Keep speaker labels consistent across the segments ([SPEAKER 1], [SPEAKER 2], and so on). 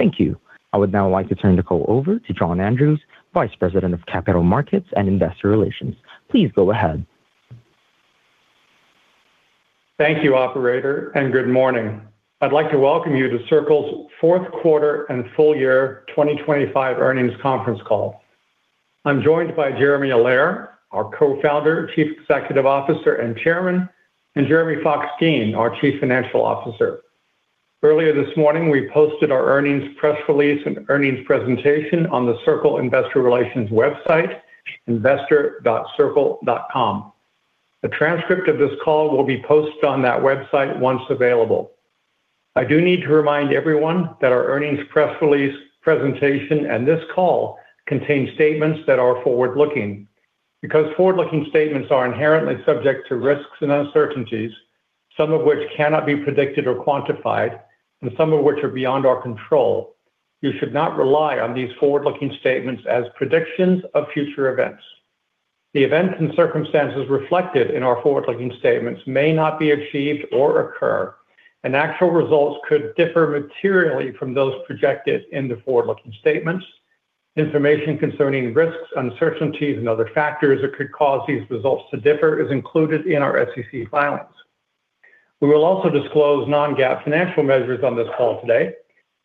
[SPEAKER 1] Thank you. I would now like to turn the call over to John Andrews, Vice President of Capital Markets and Investor Relations. Please go ahead.
[SPEAKER 2] Thank you, operator, and good morning. I'd like to welcome you to Circle's Q4 and Full Year 2025 Earnings Conference Call. I'm joined by Jeremy Allaire, our Co-founder, Chief Executive Officer, and Chairman, and Jeremy Fox-Geen, our Chief Financial Officer. Earlier this morning, we posted our earnings press release and earnings presentation on the Circle Investor Relations website, investor.circle.com. A transcript of this call will be posted on that website once available. I do need to remind everyone that our earnings press release presentation and this call contain statements that are forward-looking. Forward-looking statements are inherently subject to risks and uncertainties, some of which cannot be predicted or quantified, and some of which are beyond our control, you should not rely on these forward-looking statements as predictions of future events. The events and circumstances reflected in our forward-looking statements may not be achieved or occur, and actual results could differ materially from those projected in the forward-looking statements. Information concerning risks, uncertainties, and other factors that could cause these results to differ is included in our SEC filings. We will also disclose non-GAAP financial measures on this call today.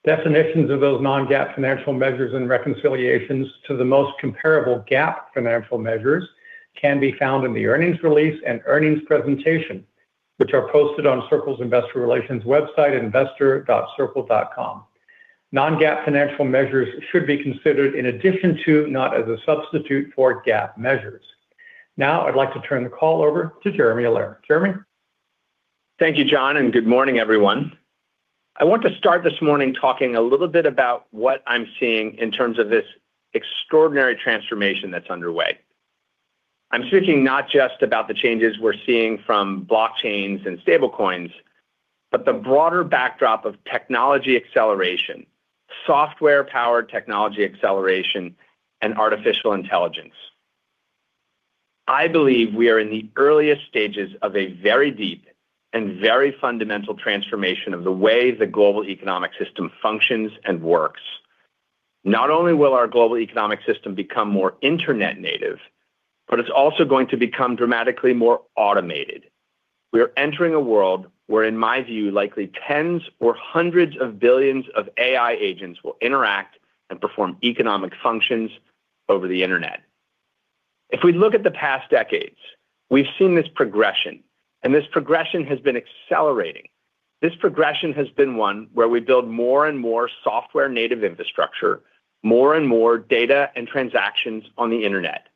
[SPEAKER 2] Definitions of those non-GAAP financial measures and reconciliations to the most comparable GAAP financial measures can be found in the earnings release and earnings presentation, which are posted on Circle's Investor Relations website, investor.circle.com. Non-GAAP financial measures should be considered in addition to, not as a substitute for GAAP measures. Now, I'd like to turn the call over to Jeremy Allaire. Jeremy?
[SPEAKER 3] Thank you, John. Good morning, everyone. I want to start this morning talking a little bit about what I'm seeing in terms of this extraordinary transformation that's underway. I'm speaking not just about the changes we're seeing from blockchains and stablecoins, but the broader backdrop of technology acceleration, software-powered technology acceleration, and artificial intelligence. I believe we are in the earliest stages of a very deep and very fundamental transformation of the way the global economic system functions and works. Not only will our global economic system become more internet native, but it's also going to become dramatically more automated. We are entering a world where, in my view, likely tens or hundreds of billions of AI agents will interact and perform economic functions over the internet. If we look at the past decades, we've seen this progression. This progression has been accelerating. This progression has been one where we build more and more software-native infrastructure, more and more data and transactions on the internet.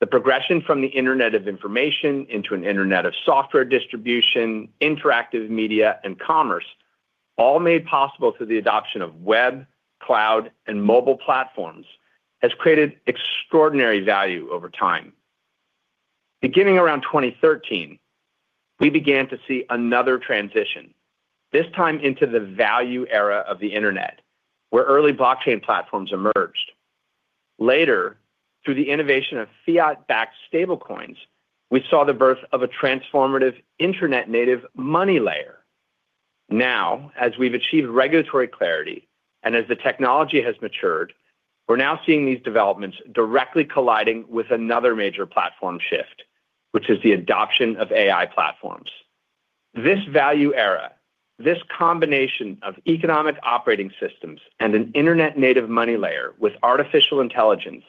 [SPEAKER 3] The progression from the internet of information into an internet of software distribution, interactive media, and commerce, all made possible through the adoption of web, cloud, and mobile platforms, has created extraordinary value over time. Beginning around 2013, we began to see another transition, this time into the value era of the internet, where early blockchain platforms emerged. Later, through the innovation of fiat-backed stablecoins, we saw the birth of a transformative internet native money layer. As we've achieved regulatory clarity and as the technology has matured, we're now seeing these developments directly colliding with another major platform shift, which is the adoption of AI platforms. This value era, this combination of economic operating systems and an internet native money layer with artificial intelligence,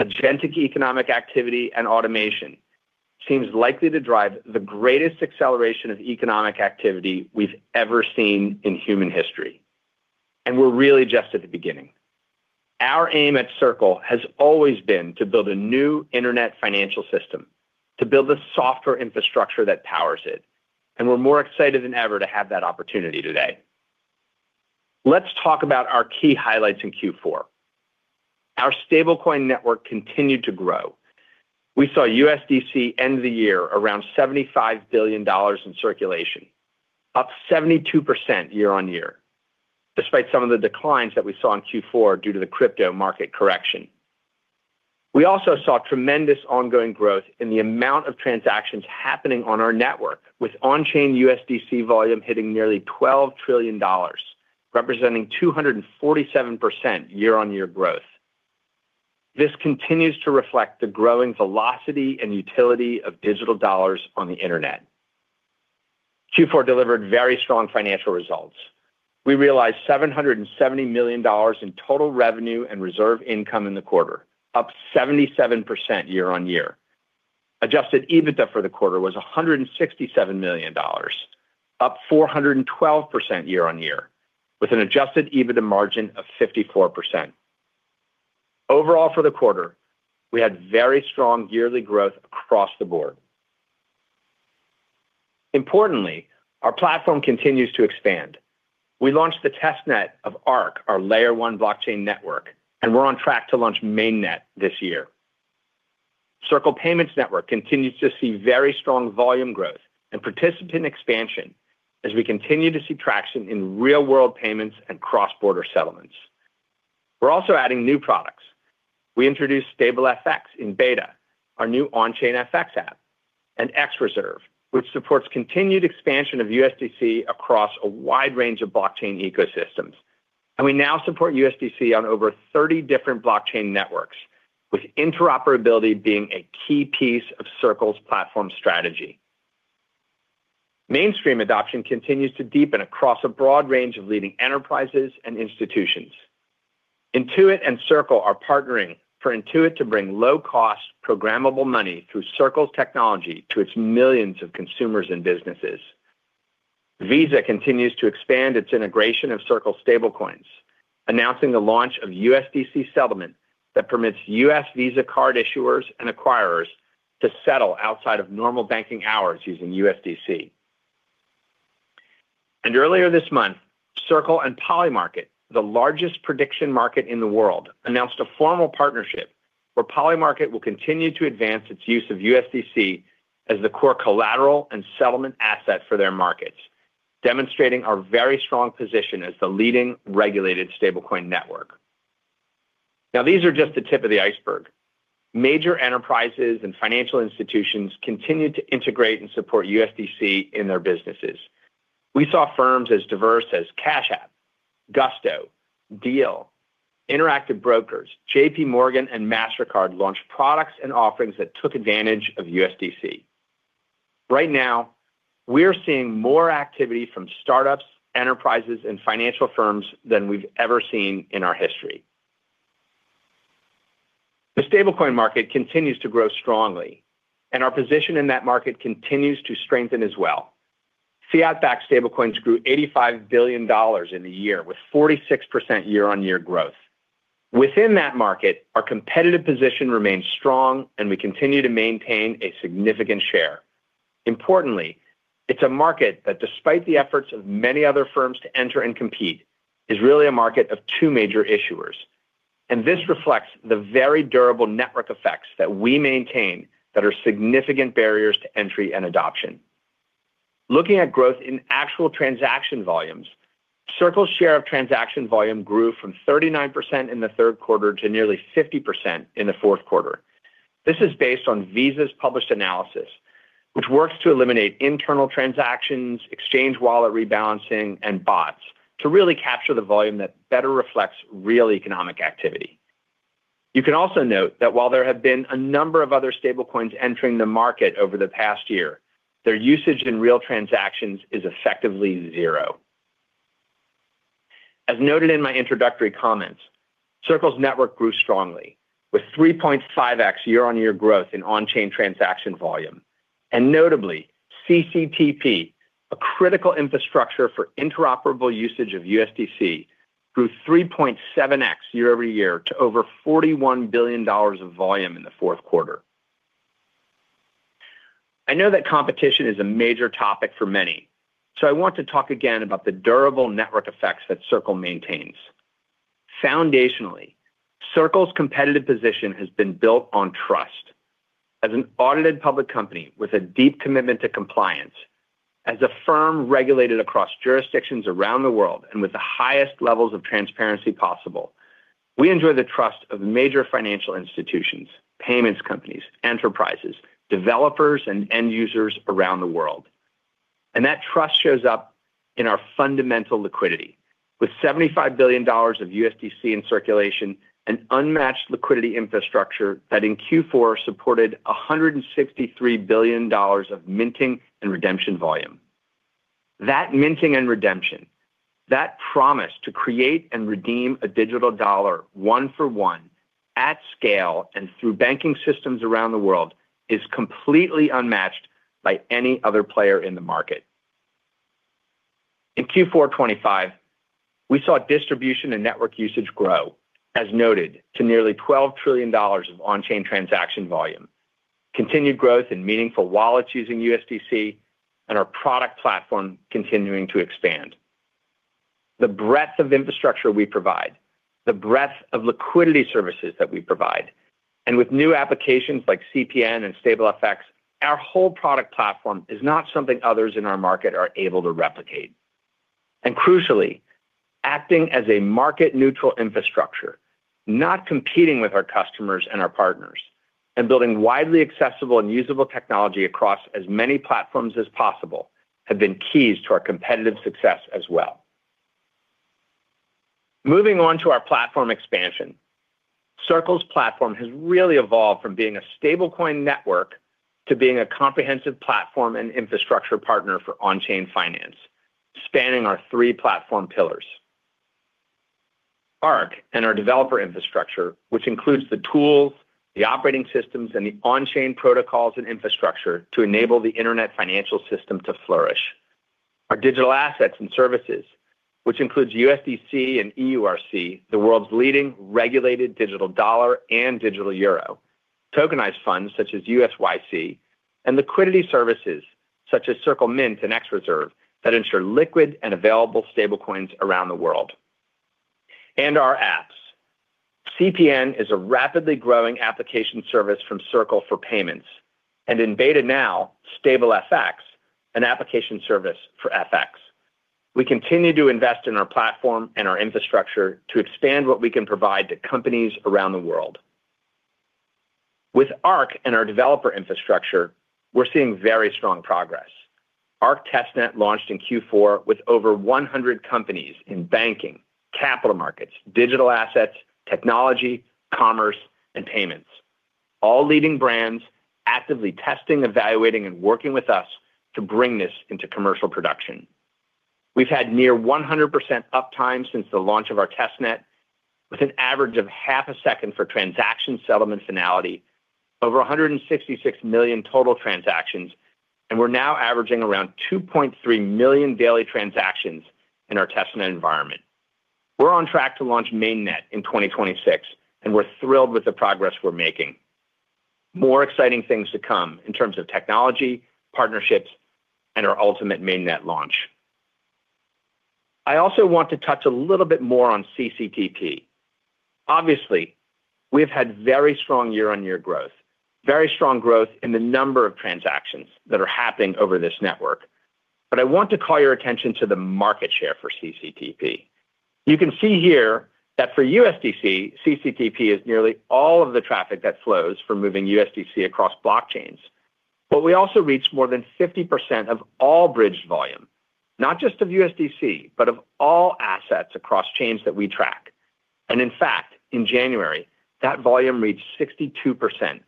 [SPEAKER 3] agentic economic activity, and automation, seems likely to drive the greatest acceleration of economic activity we've ever seen in human history, and we're really just at the beginning. Our aim at Circle has always been to build a new internet financial system, to build the software infrastructure that powers it, and we're more excited than ever to have that opportunity today. Let's talk about our key highlights in Q4. Our Stablecoin network continued to grow. We saw USDC end the year around $75 billion in circulation, up 72% year-on-year, despite some of the declines that we saw in Q4 due to the crypto market correction. We also saw tremendous ongoing growth in the amount of transactions happening on our network, with on-chain USDC volume hitting nearly $12 trillion, representing 247% year-on-year growth. This continues to reflect the growing velocity and utility of digital dollars on the internet. Q4 delivered very strong financial results. We realized $770 million in total revenue and reserve income in the quarter, up 77% year-on-year. Adjusted EBITDA for the quarter was $167 million, up 412% year-on-year, with an Adjusted EBITDA margin of 54%. For the quarter, we had very strong yearly growth across the board. Importantly, our platform continues to expand. We launched the test net of Arc, our layer one blockchain network, and we're on track to launch main net this year. Circle Payments Network continues to see very strong volume growth and participant expansion as we continue to see traction in real-world payments and cross-border settlements. We're also adding new products. We introduced StableFX in beta, our new on-chain FX app, and xReserve, which supports continued expansion of USDC across a wide range of blockchain ecosystems. We now support USDC on over 30 different blockchain networks, with interoperability being a key piece of Circle's platform strategy. Mainstream adoption continues to deepen across a broad range of leading enterprises and institutions. Intuit and Circle are partnering for Intuit to bring low-cost, programmable money through Circle's technology to its millions of consumers and businesses. Visa continues to expand its integration of Circle stablecoins, announcing the launch of USDC settlement that permits U.S. Visa card issuers and acquirers to settle outside of normal banking hours using USDC. Earlier this month, Circle and Polymarket, the largest prediction market in the world, announced a formal partnership where Polymarket will continue to advance its use of USDC as the core collateral and settlement asset for their markets, demonstrating our very strong position as the leading regulated Stablecoin network. These are just the tip of the iceberg. Major enterprises and financial institutions continue to integrate and support USDC in their businesses. We saw firms as diverse as Cash App, Gusto, Deel, Interactive Brokers, JP Morgan, and Mastercard launch products and offerings that took advantage of USDC. Right now, we're seeing more activity from startups, enterprises, and financial firms than we've ever seen in our history. The Stablecoin market continues to grow strongly, and our position in that market continues to strengthen as well. Fiat-backed stablecoins grew $85 billion in the year, with 46% year-on-year growth. Within that market, our competitive position remains strong, and we continue to maintain a significant share. Importantly, it's a market that, despite the efforts of many other firms to enter and compete, is really a market of two major issuers. This reflects the very durable network effects that we maintain that are significant barriers to entry and adoption. Looking at growth in actual transaction volumes, Circle's share of transaction volume grew from 39% in the Q3 to nearly 50% in the Q4. This is based on Visa's published analysis, which works to eliminate internal transactions, exchange wallet rebalancing, and bots to really capture the volume that better reflects real economic activity. You can also note that while there have been a number of other stablecoins entering the market over the past year, their usage in real transactions is effectively zero. As noted in my introductory comments, Circle's network grew strongly, with 3.5x year-on-year growth in on-chain transaction volume. Notably, CCTP, a critical infrastructure for interoperable usage of USDC, grew 3.7x year-over-year to over $41 billion of volume in the Q4. I know that competition is a major topic for many. I want to talk again about the durable network effects that Circle maintains. Foundationally, Circle's competitive position has been built on trust. As an audited public company with a deep commitment to compliance, as a firm regulated across jurisdictions around the world, with the highest levels of transparency possible, we enjoy the trust of major financial institutions, payments companies, enterprises, developers, and end users around the world. That trust shows up in our fundamental liquidity, with $75 billion of USDC in circulation and unmatched liquidity infrastructure that in Q4 supported $163 billion of minting and redemption volume. That minting and redemption, that promise to create and redeem a digital dollar, one for one, at scale and through banking systems around the world, is completely unmatched by any other player in the market. In Q4 2025, we saw distribution and network usage grow, as noted, to nearly $12 trillion of on-chain transaction volume, continued growth in meaningful wallets using USDC, and our product platform continuing to expand. The breadth of infrastructure we provide, the breadth of liquidity services that we provide, and with new applications like CPN and StableFX, our whole product platform is not something others in our market are able to replicate. Crucially, acting as a market-neutral infrastructure, not competing with our customers and our partners, and building widely accessible and usable technology across as many platforms as possible, have been keys to our competitive success as well. Moving on to our platform expansion. Circle's platform has really evolved from being a Stablecoin network to being a comprehensive platform and infrastructure partner for on-chain finance, spanning our three platform pillars. Arc and our developer infrastructure, which includes the tools, the operating systems, and the on-chain protocols and infrastructure to enable the internet financial system to flourish. Our digital assets and services, which includes USDC and EURC, the world's leading regulated digital dollar and digital euro, tokenized funds such as USYC, and liquidity services such as Circle Mint and xReserve, that ensure liquid and available stablecoins around the world. Our apps. CPN is a rapidly growing application service from Circle for payments, and in beta now, StableFX, an application service for FX. We continue to invest in our platform and our infrastructure to expand what we can provide to companies around the world. With Arc and our developer infrastructure, we're seeing very strong progress. Arc Testnet launched in Q4 with over 100 companies in banking, capital markets, digital assets, technology, commerce, and payments. All leading brands actively testing, evaluating, and working with us to bring this into commercial production. We've had near 100% uptime since the launch of our Testnet, with an average of half a second for transaction settlement finality, over 166 million total transactions, and we're now averaging around 2.3 million daily transactions in our Testnet environment. We're on track to launch Mainnet in 2026, and we're thrilled with the progress we're making. More exciting things to come in terms of technology, partnerships, and our ultimate Mainnet launch. I also want to touch a little bit more on CCTP. Obviously, we've had very strong year-on-year growth, very strong growth in the number of transactions that are happening over this network. I want to call your attention to the market share for CCTP. You can see here that for USDC, CCTP is nearly all of the traffic that flows from moving USDC across blockchains. We also reached more than 50% of all bridged volume, not just of USDC, but of all assets across chains that we track. In fact, in January, that volume reached 62%.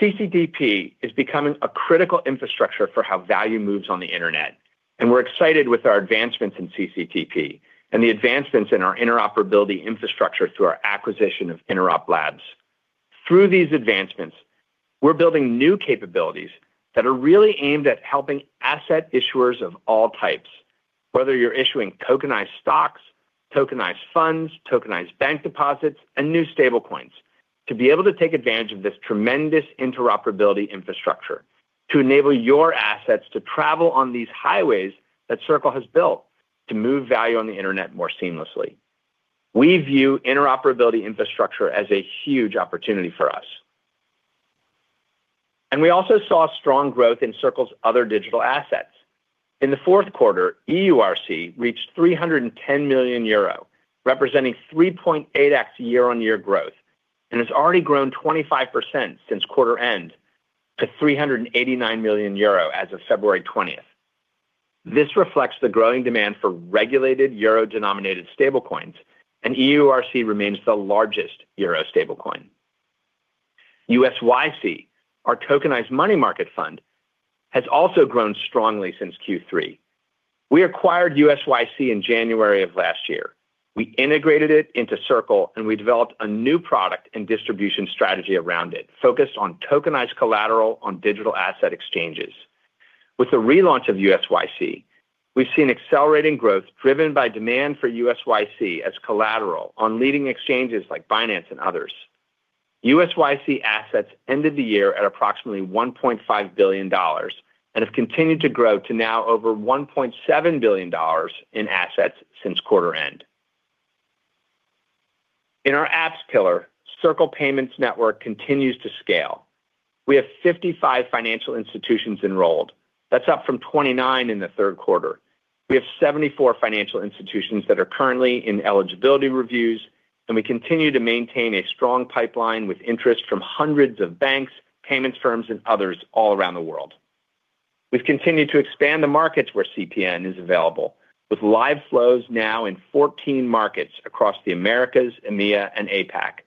[SPEAKER 3] CCTP is becoming a critical infrastructure for how value moves on the internet, and we're excited with our advancements in CCTP and the advancements in our interoperability infrastructure through our acquisition of Interop Labs. Through these advancements, we're building new capabilities that are really aimed at helping asset issuers of all types, whether you're issuing tokenized stocks, tokenized funds, tokenized bank deposits, and new stablecoins, to be able to take advantage of this tremendous interoperability infrastructure, to enable your assets to travel on these highways that Circle has built to move value on the internet more seamlessly. We view interoperability infrastructure as a huge opportunity for us. We also saw strong growth in Circle's other digital assets. In the Q4, EURC reached 310 million euro, representing 3.8x year-on-year growth, and has already grown 25% since quarter end to 389 million euro as of February 20th. This reflects the growing demand for regulated euro-denominated stablecoins, and EURC remains the largest euro Stablecoin. USYC, our tokenized money market fund, has also grown strongly since Q3. We acquired USYC in January of last year. We integrated it into Circle, and we developed a new product and distribution strategy around it, focused on tokenized collateral on digital asset exchanges. With the relaunch of USYC, we've seen accelerating growth driven by demand for USYC as collateral on leading exchanges like Binance and others. USYC assets ended the year at approximately $1.5 billion and have continued to grow to now over $1.7 billion in assets since quarter end. In our apps pillar, Circle Payments Network continues to scale. We have 55 financial institutions enrolled. That's up from 29 in the Q3. We have 74 financial institutions that are currently in eligibility reviews, and we continue to maintain a strong pipeline with interest from hundreds of banks, payments firms, and others all around the world. We've continued to expand the markets where CPN is available, with live flows now in 14 markets across the Americas, EMEA, and APAC.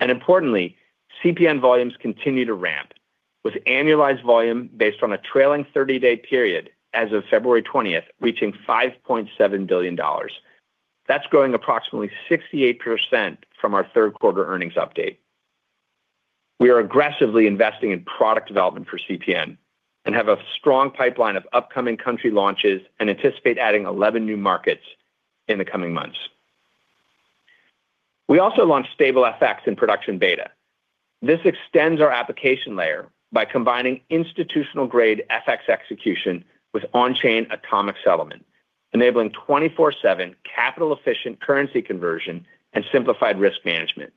[SPEAKER 3] Importantly, CPN volumes continue to ramp, with annualized volume based on a trailing 30-day period as of February 20th, reaching $5.7 billion. That's growing approximately 68% from our Q3 earnings update. We are aggressively investing in product development for CPN and have a strong pipeline of upcoming country launches and anticipate adding 11 new markets in the coming months. We also launched StableFX in production beta. This extends our application layer by combining institutional-grade FX execution with on-chain atomic settlement, enabling 24/7 capital-efficient currency conversion and simplified risk management.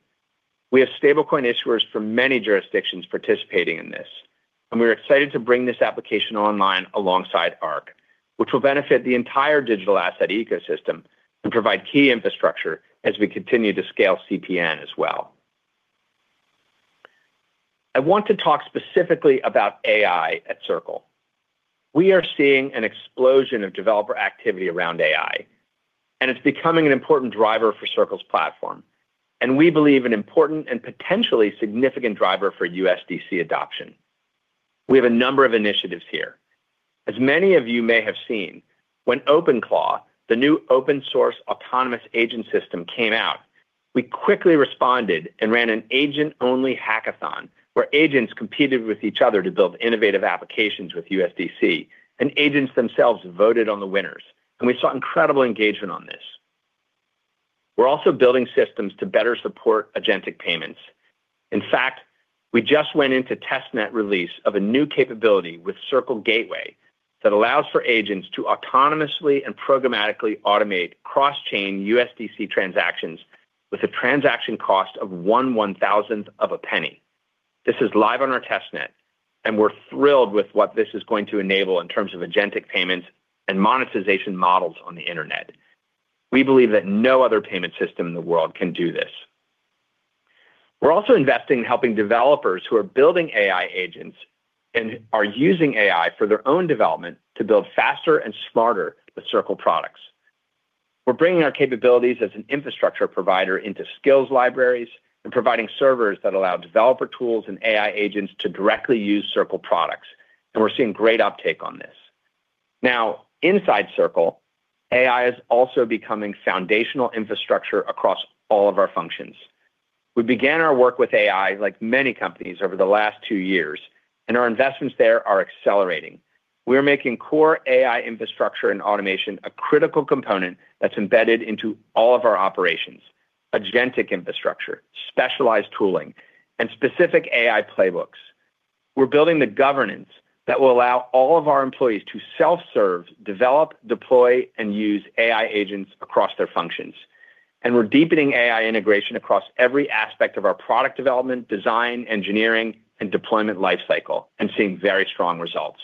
[SPEAKER 3] We have Stablecoin issuers from many jurisdictions participating in this, and we are excited to bring this application online alongside Arc, which will benefit the entire digital asset ecosystem and provide key infrastructure as we continue to scale CPN as well. I want to talk specifically about AI at Circle. We are seeing an explosion of developer activity around AI, and it's becoming an important driver for Circle's platform, and we believe an important and potentially significant driver for USDC adoption. We have a number of initiatives here. As many of you may have seen, when OpenClaw, the new open-source autonomous agent system, came out, we quickly responded and ran an agent-only hackathon, where agents competed with each other to build innovative applications with USDC, and agents themselves voted on the winners, and we saw incredible engagement on this. We're also building systems to better support agentic payments. In fact, we just went into Testnet release of a new capability with Circle Gateway that allows for agents to autonomously and programmatically automate cross-chain USDC transactions with a transaction cost of one one-thousandth of a penny. This is live on our Testnet, and we're thrilled with what this is going to enable in terms of agentic payments and monetization models on the internet. We believe that no other payment system in the world can do this. We're also investing in helping developers who are building AI agents and are using AI for their own development to build faster and smarter with Circle products. We're bringing our capabilities as an infrastructure provider into skills libraries and providing servers that allow developer tools and AI agents to directly use Circle products. We're seeing great uptake on this. Inside Circle, AI is also becoming foundational infrastructure across all of our functions. We began our work with AI, like many companies, over the last 2 years. Our investments there are accelerating. We're making core AI infrastructure and automation a critical component that's embedded into all of our operations, agentic infrastructure, specialized tooling, and specific AI playbooks. We're building the governance that will allow all of our employees to self-serve, develop, deploy, and use AI agents across their functions. We're deepening AI integration across every aspect of our product development, design, engineering, and deployment lifecycle, and seeing very strong results.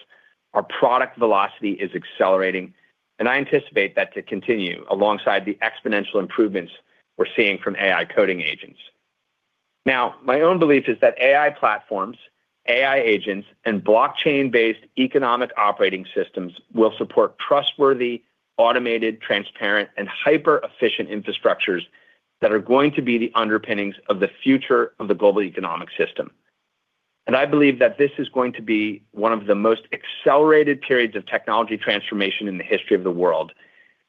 [SPEAKER 3] Our product velocity is accelerating, and I anticipate that to continue alongside the exponential improvements we're seeing from AI coding agents. My own belief is that AI platforms, AI agents, and blockchain-based economic operating systems will support trustworthy, automated, transparent, and hyper-efficient infrastructures that are going to be the underpinnings of the future of the global economic system. I believe that this is going to be one of the most accelerated periods of technology transformation in the history of the world.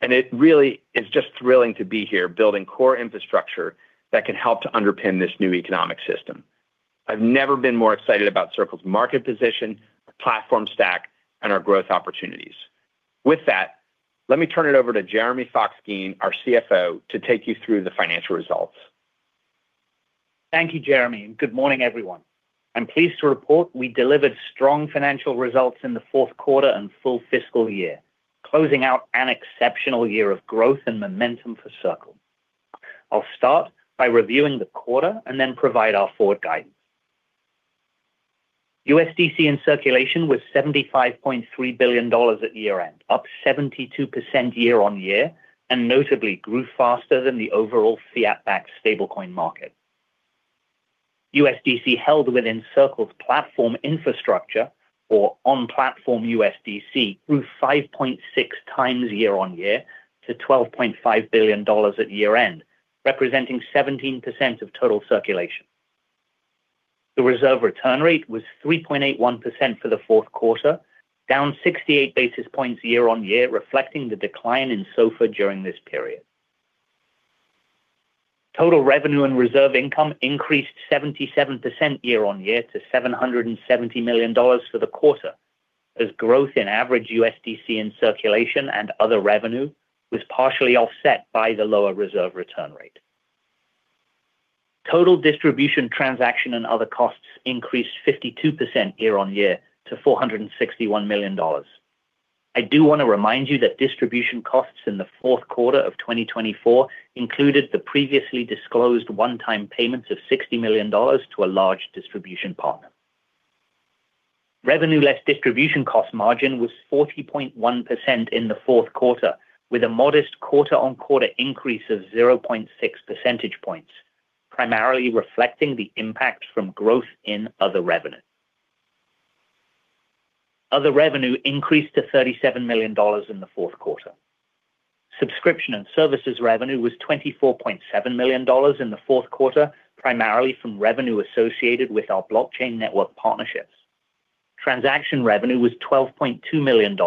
[SPEAKER 3] It really is just thrilling to be here building core infrastructure that can help to underpin this new economic system. I've never been more excited about Circle's market position, our platform stack, and our growth opportunities. With that, let me turn it over to Jeremy Fox-Geen, our CFO, to take you through the financial results.
[SPEAKER 4] Thank you, Jeremy. Good morning, everyone. I'm pleased to report we delivered strong financial results in the Q4 and full fiscal year, closing out an exceptional year of growth and momentum for Circle. I'll start by reviewing the quarter and then provide our forward guidance. USDC in circulation was $75.3 billion at year-end, up 72% year-on-year, and notably grew faster than the overall fiat-backed Stablecoin market. USDC held within Circle's platform infrastructure or on-platform USDC, grew 5.6 times year-on-year to $12.5 billion at year-end, representing 17% of total circulation. The reserve return rate was 3.81% for the Q4, down 68 basis points year-on-year, reflecting the decline in SOFR during this period. Total revenue and reserve income increased 77% year-on-year to $770 million for the quarter, as growth in average USDC in circulation and other revenue was partially offset by the lower reserve return rate. Total distribution, transaction, and other costs increased 52% year-on-year to $461 million. I do want to remind you that distribution costs in the Q4 of 2024 included the previously disclosed one-time payments of $60 million to a large distribution partner. Revenue less distribution cost margin was 40.1% in the Q4, with a modest quarter-on-quarter increase of 0.6 percentage points, primarily reflecting the impact from growth in other revenue. Other revenue increased to $37 million in the Q4. Subscription and services revenue was $24.7 million in the Q4, primarily from revenue associated with our blockchain network partnerships. Transaction revenue was $12.2 million,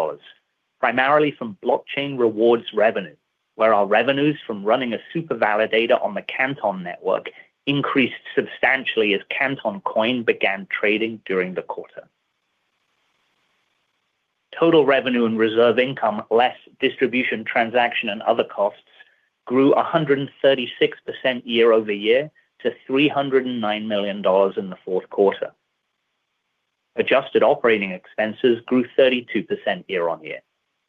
[SPEAKER 4] primarily from blockchain rewards revenue, where our revenues from running a super validator on the Canton Network increased substantially as Canton Coin began trading during the quarter. Total revenue and reserve income, less distribution, transaction, and other costs, grew 136% year-over-year to $309 million in the Q4. Adjusted operating expenses grew 32% year-on-year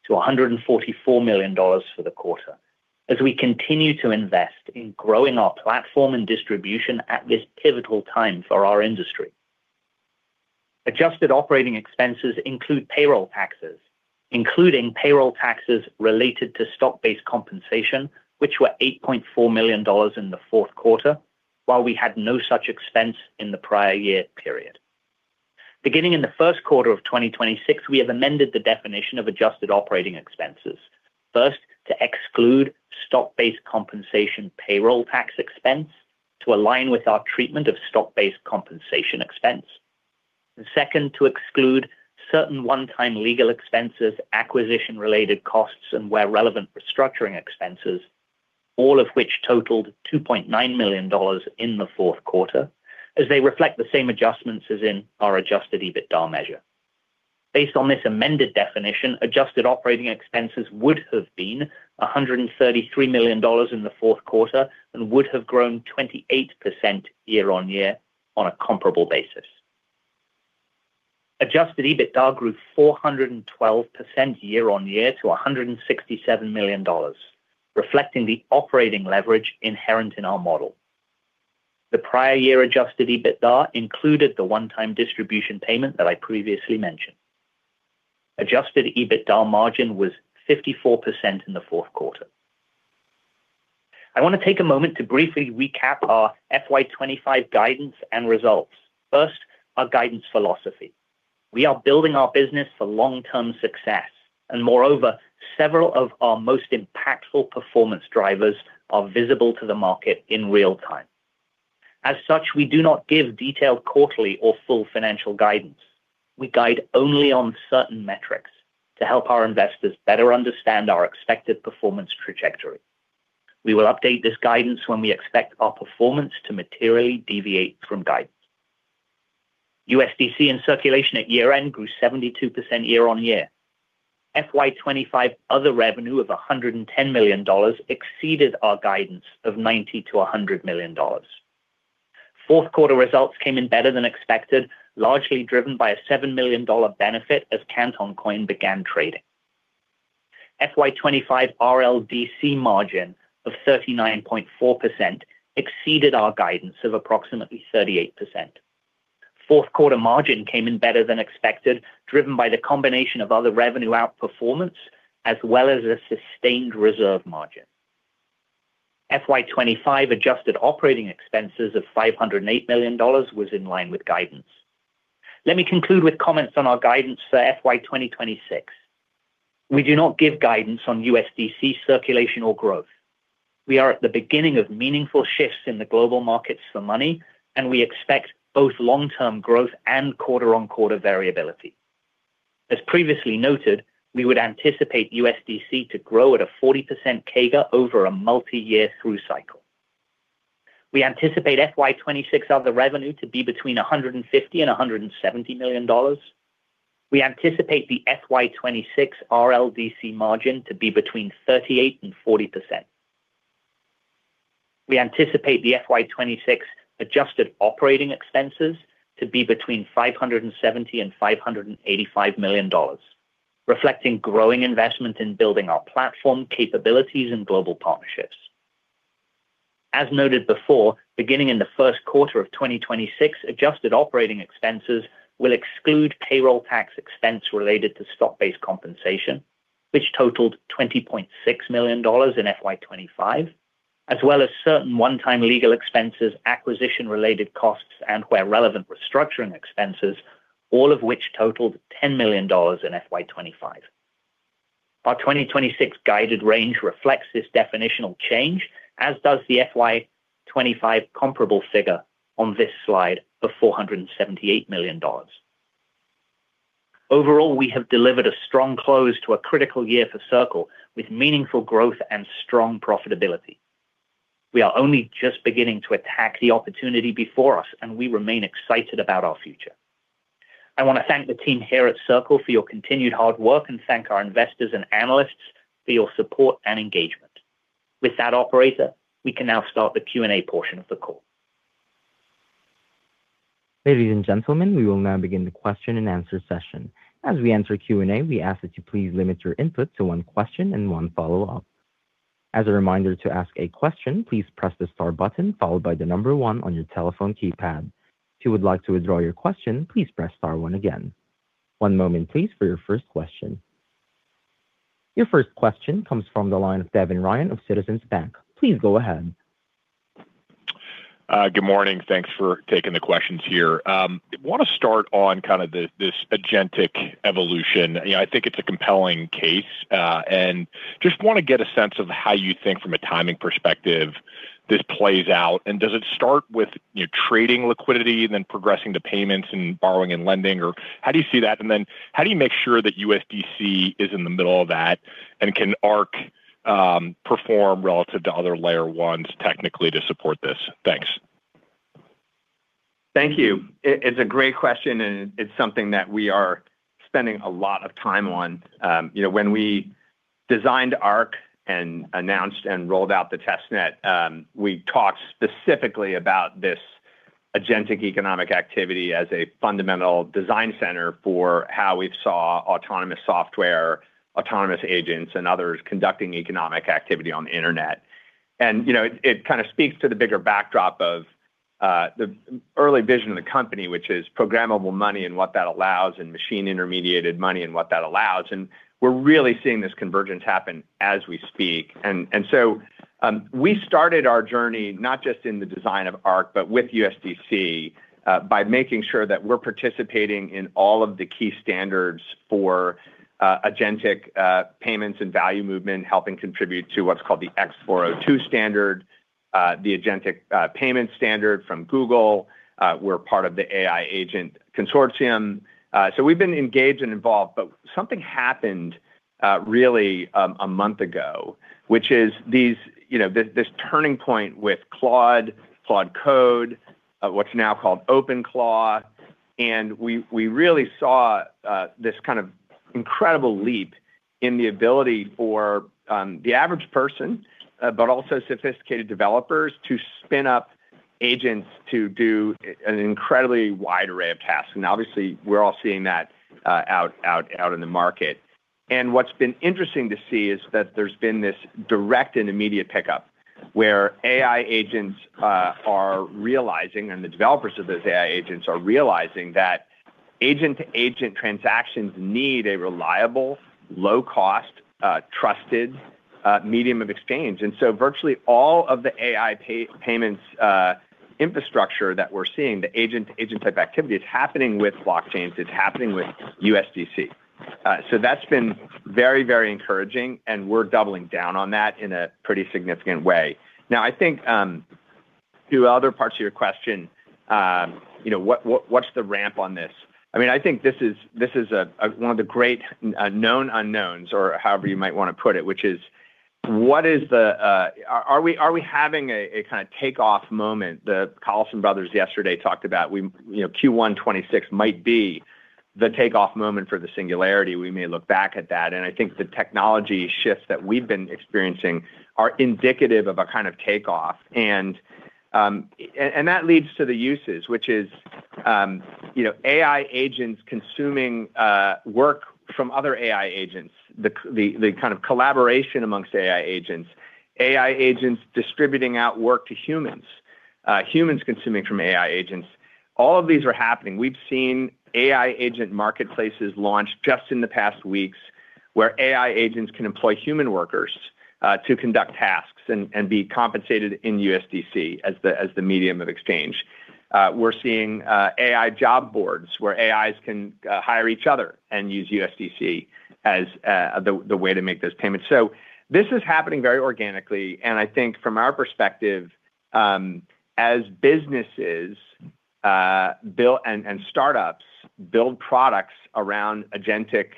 [SPEAKER 4] to $144 million for the quarter. As we continue to invest in growing our platform and distribution at this pivotal time for our industry. Adjusted operating expenses include payroll taxes, including payroll taxes related to stock-based compensation, which were $8.4 million in the Q4, while we had no such expense in the prior year period. Beginning in the Q1 of 2026, we have amended the definition of adjusted operating expenses. First, to exclude stock-based compensation payroll tax expense to align with our treatment of stock-based compensation expense. Second, to exclude certain one-time legal expenses, acquisition-related costs, and where relevant, restructuring expenses, all of which totaled $2.9 million in the Q4, as they reflect the same adjustments as in our Adjusted EBITDA measure. Based on this amended definition, adjusted operating expenses would have been $133 million in the Q4 and would have grown 28% year-on-year on a comparable basis. Adjusted EBITDA grew 412% year-on-year to $167 million, reflecting the operating leverage inherent in our model. The prior year Adjusted EBITDA included the one-time distribution payment that I previously mentioned. Adjusted EBITDA margin was 54% in the Q4. I want to take a moment to briefly recap our FY 2025 guidance and results. First, our guidance philosophy. Moreover, several of our most impactful performance drivers are visible to the market in real time. As such, we do not give detailed quarterly or full financial guidance. We guide only on certain metrics to help our investors better understand our expected performance trajectory. We will update this guidance when we expect our performance to materially deviate from guidance. USDC in circulation at year-end grew 72% year-on-year. FY 2025 other revenue of $110 million exceeded our guidance of $90-$100 million. Q4 results came in better than expected, largely driven by a $7 million benefit as Canton Coin began trading. FY 2025 RLDC margin of 39.4% exceeded our guidance of approximately 38%. Q4 margin came in better than expected, driven by the combination of other revenue outperformance as well as a sustained reserve margin. FY 2025 Adjusted operating expenses of $508 million was in line with guidance. Let me conclude with comments on our guidance for FY 2026. We do not give guidance on USDC circulation or growth. We are at the beginning of meaningful shifts in the global markets for money, we expect both long-term growth and quarter-on-quarter variability. As previously noted, we would anticipate USDC to grow at a 40% CAGR over a multi-year through cycle. We anticipate FY 2026 other revenue to be between $150 million and $170 million. We anticipate the FY 2026 RLDC margin to be between 38% and 40%. We anticipate the FY 2026 adjusted operating expenses to be between $570 million and $585 million, reflecting growing investment in building our platform capabilities and global partnerships. As noted before, beginning in the Q1 of 2026, adjusted operating expenses will exclude payroll tax expense related to stock-based compensation, which totaled $20.6 million in FY 2025, as well as certain one-time legal expenses, acquisition-related costs, and, where relevant, restructuring expenses, all of which totaled $10 million in FY 2025. Our 2026 guided range reflects this definitional change, as does the FY 2025 comparable figure on this slide of $478 million. Overall, we have delivered a strong close to a critical year for Circle, with meaningful growth and strong profitability. We are only just beginning to attack the opportunity before us. We remain excited about our future. I want to thank the team here at Circle for your continued hard work. Thank our investors and analysts for your support and engagement. With that, operator, we can now start the Q&A portion of the call.
[SPEAKER 1] Ladies and gentlemen, we will now begin the question-and-answer session. As we enter Q&A, we ask that you please limit your input to one question and one follow-up. As a reminder, to ask a question, please press the star button followed by the number one on your telephone keypad. If you would like to withdraw your question, please press star one again. One moment please, for your first question. Your first question comes from the line of Devin Ryan of Citizens Bank. Please go ahead.
[SPEAKER 5] Good morning. Thanks for taking the questions here. I want to start on kind of the, this agentic evolution. You know, I think it's a compelling case, and just want to get a sense of how you think from a timing perspective this plays out. Does it start with, you know, trading liquidity and then progressing to payments and borrowing and lending? Or how do you see that? Then how do you make sure that USDC is in the middle of that, and can Arc perform relative to other layer ones technically to support this? Thanks.
[SPEAKER 3] Thank you. It's a great question, and it's something that we are spending a lot of time on. You know, when we designed Arc and announced and rolled out the test net, we talked specifically about this agentic economic activity as a fundamental design center for how we saw autonomous software, autonomous agents, and others conducting economic activity on the internet. You know, it kind of speaks to the bigger backdrop of the early vision of the company, which is programmable money and what that allows, and machine intermediated money and what that allows. We're really seeing this convergence happen as we speak. We started our journey, not just in the design of Arc, but with USDC, by making sure that we're participating in all of the key standards for agentic payments and value movement, helping contribute to what's called the X402 standard, the agentic payment standard from Google. We're part of the AI Agent Consortium. We've been engaged and involved, something happened really a month ago, which is these, you know, this turning point with Claude Code. of what's now called OpenClaw, and we really saw this kind of incredible leap in the ability for the average person, but also sophisticated developers to spin up agents to do an incredibly wide array of tasks. Obviously, we're all seeing that out in the market. What's been interesting to see is that there's been this direct and immediate pickup, where AI agents are realizing, and the developers of those AI agents are realizing, that agent-to-agent transactions need a reliable, low cost, trusted medium of exchange. Virtually all of the AI payments infrastructure that we're seeing, the agent type activity, is happening with blockchains, it's happening with USDC. So that's been very, very encouraging, and we're doubling down on that in a pretty significant way. Now, I think to other parts of your question, you know, what's the ramp on this? I mean, I think this is a one of the great known unknowns or however you might wanna put it, which is, what is the? Are we having a kind of takeoff moment? The Carlson brothers yesterday talked about we, you know, Q1 2026 might be the takeoff moment for the singularity. We may look back at that, and I think the technology shifts that we've been experiencing are indicative of a kind of takeoff. That leads to the uses, which is, you know, AI agents consuming work from other AI agents, the kind of collaboration amongst AI agents, AI agents distributing out work to humans consuming from AI agents. All of these are happening. We've seen AI agent marketplaces launch just in the past weeks, where AI agents can employ human workers to conduct tasks and be compensated in USDC as the medium of exchange. We're seeing AI job boards, where AIs can hire each other and use USDC as the way to make those payments. This is happening very organically, and I think from our perspective, as businesses and startups build products around agentic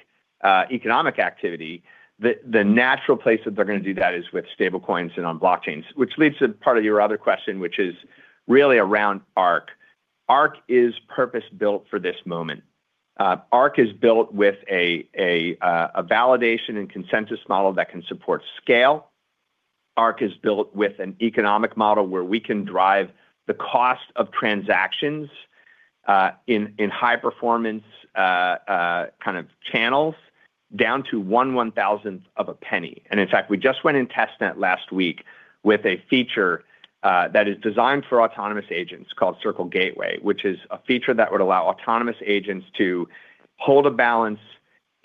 [SPEAKER 3] economic activity, the natural place that they're gonna do that is with stablecoins and on blockchains. This leads to part of your other question, which is really around Arc. Arc is purpose-built for this moment. Arc is built with a validation and consensus model that can support scale. Arc is built with an economic model where we can drive the cost of transactions in high performance kind of channels, down to one one-thousandth of a penny. In fact, we just went in test net last week with a feature that is designed for autonomous agents called Circle Gateway, which is a feature that would allow autonomous agents to hold a balance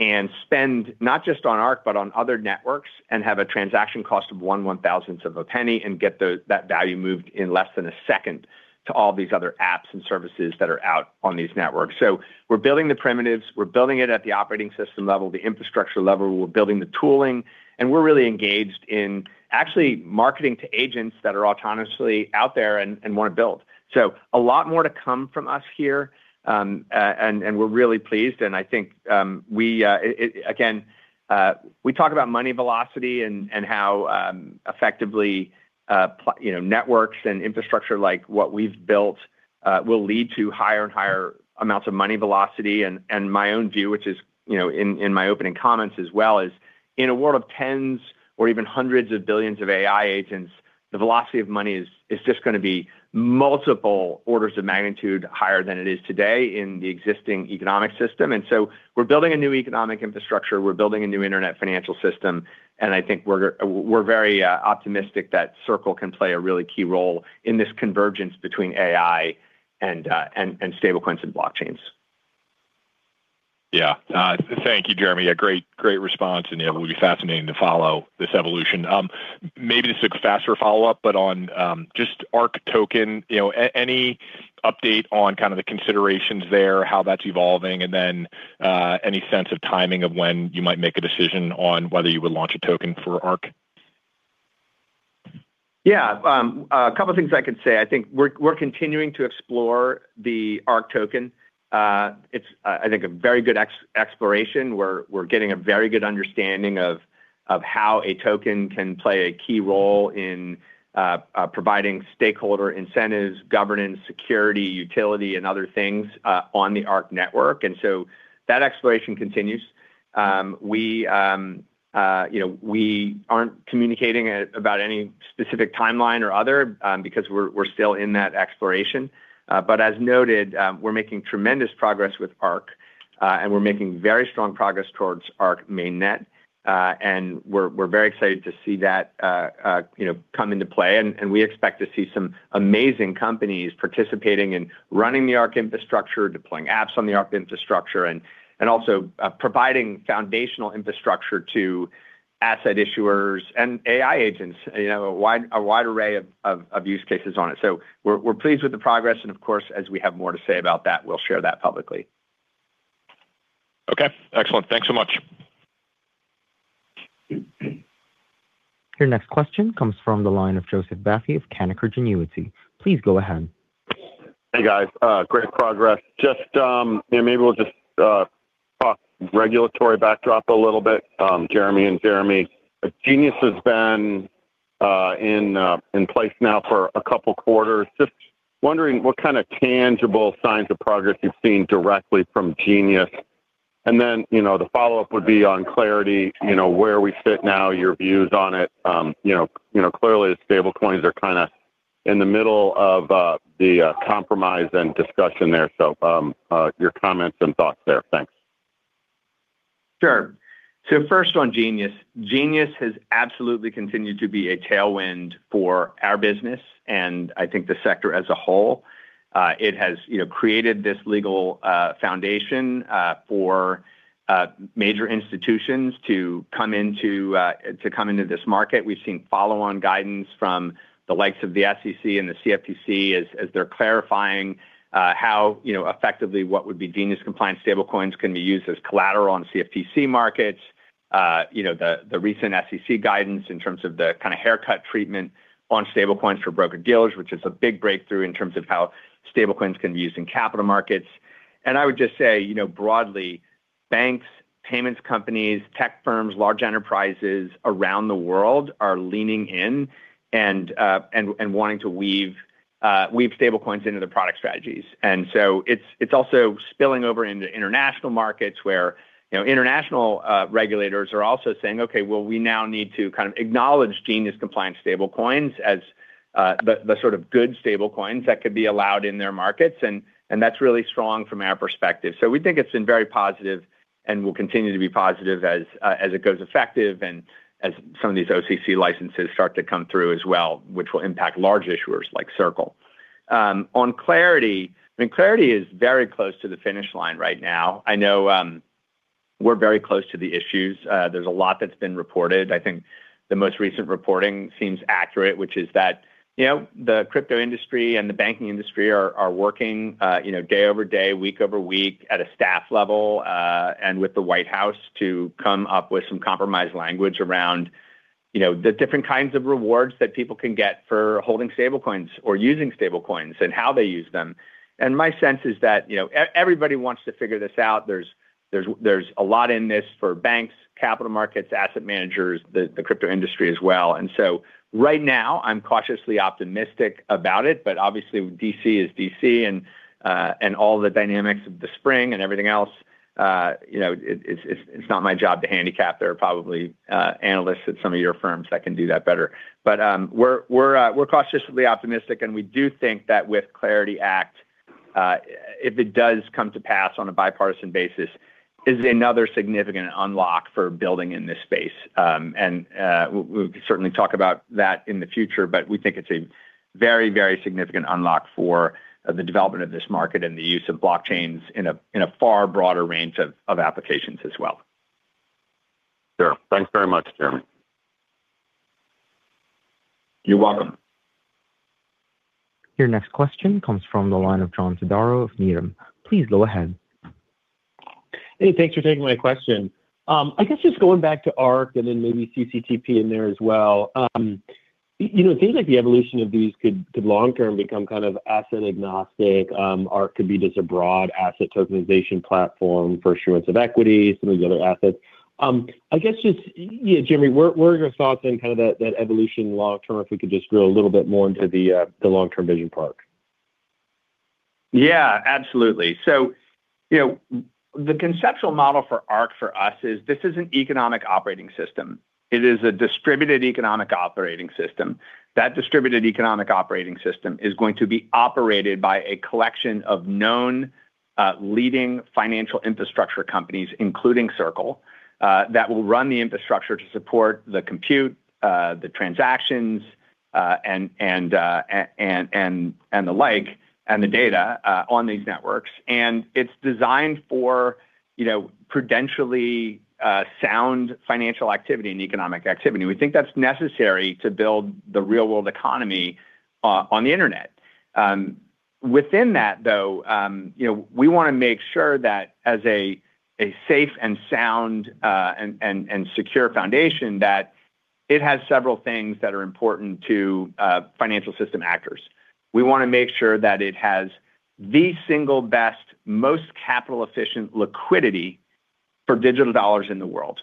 [SPEAKER 3] and spend, not just on Arc, but on other networks, and have a transaction cost of one one-thousandth of a penny and get that value moved in less than a second to all these other apps and services that are out on these networks. We're building the primitives, we're building it at the operating system level, the infrastructure level, we're building the tooling, and we're really engaged in actually marketing to agents that are autonomously out there and wanna build. A lot more to come from us here, and we're really pleased. I think, we again, we talk about money velocity and how effectively, you know, networks and infrastructure, like what we've built, will lead to higher and higher amounts of money velocity. My own view, which is, you know, in my opening comments as well, is in a world of tens or even hundreds of billions of AI agents, the velocity of money is just gonna be multiple orders of magnitude higher than it is today in the existing economic system. We're building a new economic infrastructure, we're building a new internet financial system, and I think we're very optimistic that Circle can play a really key role in this convergence between AI and stablecoins and blockchains.
[SPEAKER 5] Yeah. Thank you, Jeremy. A great response, and, yeah, it will be fascinating to follow this evolution. Maybe this is a faster follow-up, but on, just Arc token, you know, any update on kind of the considerations there, how that's evolving, and then, any sense of timing of when you might make a decision on whether you would launch a token for Arc?
[SPEAKER 3] Yeah, a couple of things I could say. I think we're continuing to explore the Arc token. It's, I think, a very good exploration, we're getting a very good understanding of how a token can play a key role in providing stakeholder incentives, governance, security, utility, and other things on the Arc network. That exploration continues. We, you know, we aren't communicating about any specific timeline or other because we're still in that exploration. As noted, we're making tremendous progress with Arc, and we're making very strong progress towards Arc main net. We're very excited to see that, you know, come into play. We expect to see some amazing companies participating in running the Arc infrastructure, deploying apps on the Arc infrastructure. Also, providing foundational infrastructure to asset issuers and AI agents, you know, a wide array of use cases on it. We're pleased with the progress. Of course, as we have more to say about that, we'll share that publicly.
[SPEAKER 5] Okay, excellent. Thanks so much.
[SPEAKER 1] Your next question comes from the line of Joseph Vafi of Canaccord Genuity. Please go ahead.
[SPEAKER 6] Hey, guys, great progress. Just, you know, maybe we'll just regulatory backdrop a little bit, Jeremy and Jeremy. GENIUS has been in place now for a couple quarters. Just wondering what kind of tangible signs of progress you've seen directly from GENIUS? Then, you know, the follow-up would be on CLARITY, you know, where we sit now, your views on it. You know, clearly the stablecoins are kind of in the middle of the compromise and discussion there. Your comments and thoughts there. Thanks.
[SPEAKER 3] Sure. First on GENIUS. GENIUS has absolutely continued to be a tailwind for our business, and I think the sector as a whole. It has, you know, created this legal foundation for major institutions to come into this market. We've seen follow-on guidance from the likes of the SEC and the CFTC as they're clarifying, you know, effectively what would be GENIUS compliant stablecoins can be used as collateral on CFTC markets. You know, the recent SEC guidance in terms of the kind of haircut treatment on stablecoins for broker-dealers, which is a big breakthrough in terms of how stablecoins can be used in capital markets. I would just say, you know, broadly, banks, payments companies, tech firms, large enterprises around the world are leaning in and wanting to weave stablecoins into their product strategies. It's also spilling over into international markets where, you know, international regulators are also saying, "Okay, well, we now need to kind of acknowledge GENIUS compliant stablecoins as the sort of good stablecoins that could be allowed in their markets." That's really strong from our perspective. We think it's been very positive and will continue to be positive as it goes effective and as some of these OCC licenses start to come through as well, which will impact large issuers like Circle. On CLARITY, I mean, CLARITY is very close to the finish line right now. I know, we're very close to the issues. There's a lot that's been reported. I think the most recent reporting seems accurate, which is that, you know, the crypto industry and the banking industry are working, you know, day over day, week over week, at a staff level, and with the White House to come up with some compromised language around, you know, the different kinds of rewards that people can get for holding stablecoins or using stablecoins and how they use them. My sense is that, you know, everybody wants to figure this out. There's a lot in this for banks, capital markets, asset managers, the crypto industry as well. Right now, I'm cautiously optimistic about it, but obviously D.C. is D.C. and all the dynamics of the spring and everything else, you know, it's not my job to handicap. There are probably analysts at some of your firms that can do that better. We're cautiously optimistic, and we do think that with CLARITY Act, if it does come to pass on a bipartisan basis, is another significant unlock for building in this space. We, we can certainly talk about that in the future, but we think it's a very, very significant unlock for the development of this market and the use of blockchains in a far broader range of applications as well.
[SPEAKER 6] Sure. Thanks very much, Jeremy.
[SPEAKER 3] You're welcome.
[SPEAKER 1] Your next question comes from the line of John Todaro of Needham. Please go ahead.
[SPEAKER 7] Hey, thanks for taking my question. I guess just going back to Arc and then maybe CCTP in there as well. you know, it seems like the evolution of these could long term become kind of asset agnostic, or could be just a broad asset tokenization platform for issuance of equity, some of the other assets. I guess just, yeah, Jeremy, what are your thoughts on kind of that evolution long term, if we could just drill a little bit more into the long-term vision part?
[SPEAKER 3] Yeah, absolutely. You know, the conceptual model for Arc, for us, is this is an economic operating system. It is a distributed economic operating system. That distributed economic operating system is going to be operated by a collection of known leading financial infrastructure companies, including Circle, that will run the infrastructure to support the compute, the transactions, and the like, and the data on these networks. It's designed for, you know, prudentially sound financial activity and economic activity. We think that's necessary to build the real-world economy on the internet. Within that, though, you know, we wanna make sure that as a safe and sound and secure foundation, that it has several things that are important to financial system actors. We wanna make sure that it has the single best, most capital-efficient liquidity for digital dollars in the world.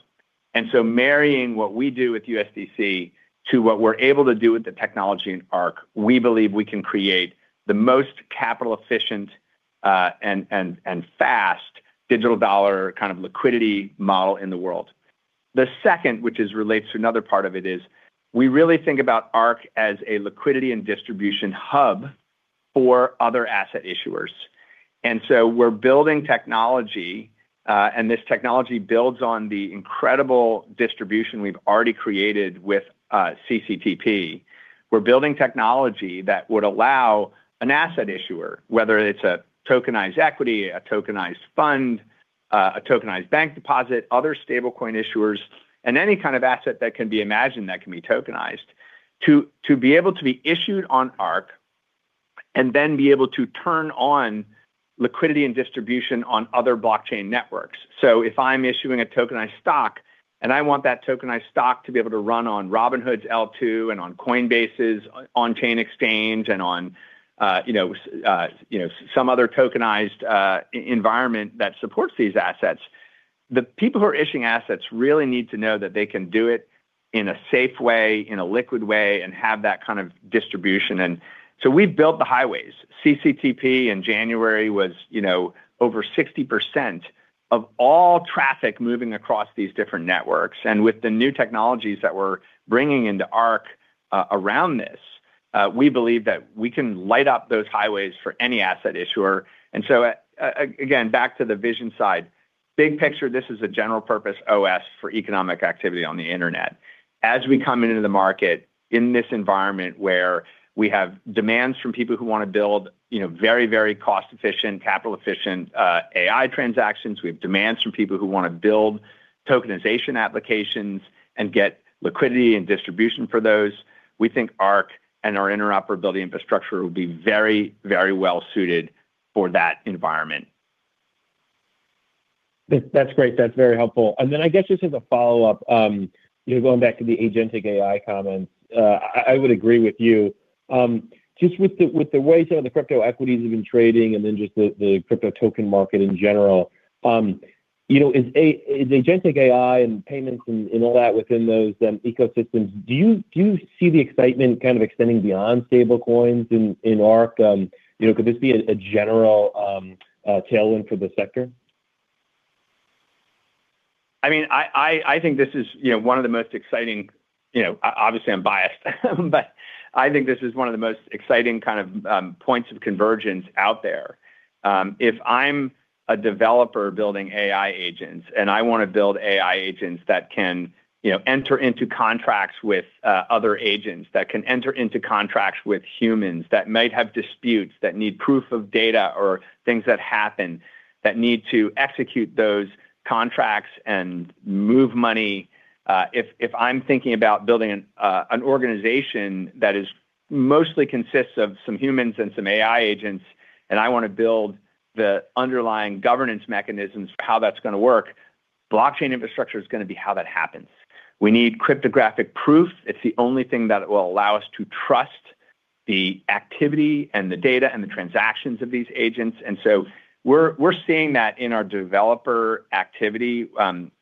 [SPEAKER 3] Marrying what we do with USDC to what we're able to do with the technology in Arc, we believe we can create the most capital efficient and fast digital dollar kind of liquidity model in the world. The second, which is related to another part of it, is we really think about Arc as a liquidity and distribution hub for other asset issuers. We're building technology, and this technology builds on the incredible distribution we've already created with CCTP. We're building technology that would allow an asset issuer, whether it's a tokenized equity, a tokenized fund, a tokenized bank deposit, other stable coin issuers, and any kind of asset that can be imagined that can be tokenized, to be able to be issued on Arc and then be able to turn on liquidity and distribution on other blockchain networks. If I'm issuing a tokenized stock, I want that tokenized stock to be able to run on Robinhood's L2 and on Coinbase's on-chain exchange and on, you know, you know, some other tokenized environment that supports these assets. The people who are issuing assets really need to know that they can do it in a safe way, in a liquid way, and have that kind of distribution. We've built the highways. CCTP in January was, you know, over 60% of all traffic moving across these different networks. With the new technologies that we're bringing into Arc around this, we believe that we can light up those highways for any asset issuer. Again, back to the vision side, big picture, this is a general purpose OS for economic activity on the internet. As we come into the market in this environment, where we have demands from people who wanna build, you know, very, very cost-efficient, capital-efficient AI transactions, we have demands from people who wanna build tokenization applications and get liquidity and distribution for those. We think Arc and our interoperability infrastructure will be very, very well suited for that environment.
[SPEAKER 7] That's great. That's very helpful. I guess just as a follow-up, you know, going back to the agentic AI comments, I would agree with you. Just with the way some of the crypto equities have been trading and then just the crypto token market in general, you know, is agentic AI and payments and all that within those ecosystems, do you see the excitement kind of extending beyond stablecoins in Arc? You know, could this be a general tailwind for the sector?
[SPEAKER 3] I mean, I think this is, you know, one of the most exciting... You know, obviously, I'm biased, but I think this is one of the most exciting kind of points of convergence out there. If I'm a developer building AI agents, and I wanna build AI agents that can, you know, enter into contracts with other agents, that can enter into contracts with humans, that might have disputes, that need proof of data or things that happen, that need to execute those contracts and move money, if I'm thinking about building an organization that is mostly consists of some humans and some AI agents, and I wanna build the underlying governance mechanisms for how that's gonna work, blockchain infrastructure is gonna be how that happens. We need cryptographic proof. It's the only thing that will allow us to trust the activity and the data and the transactions of these agents. We're seeing that in our developer activity.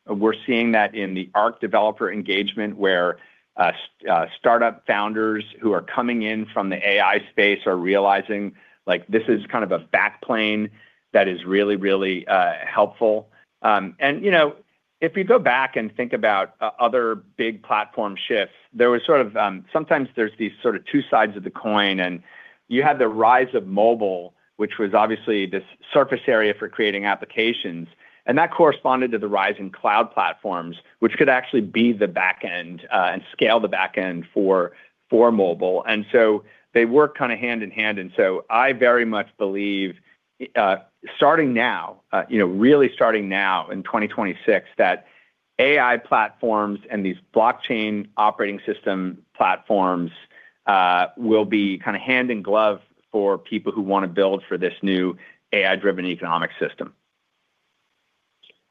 [SPEAKER 3] We're seeing that in the Arc developer engagement, where startup founders who are coming in from the AI space are realizing, like, this is kind of a back plane that is really, really helpful. You know, if you go back and think about other big platform shifts, there was sort of, sometimes there's these sort of two sides of the coin, and you had the rise of mobile, which was obviously this surface area for creating applications, and that corresponded to the rise in cloud platforms, which could actually be the back end and scale the back end for mobile. They work kinda hand in hand. I very much believe, starting now, you know, really starting now in 2026, that AI platforms and these blockchain operating system platforms, will be kind of hand in glove for people who want to build for this new AI-driven economic system.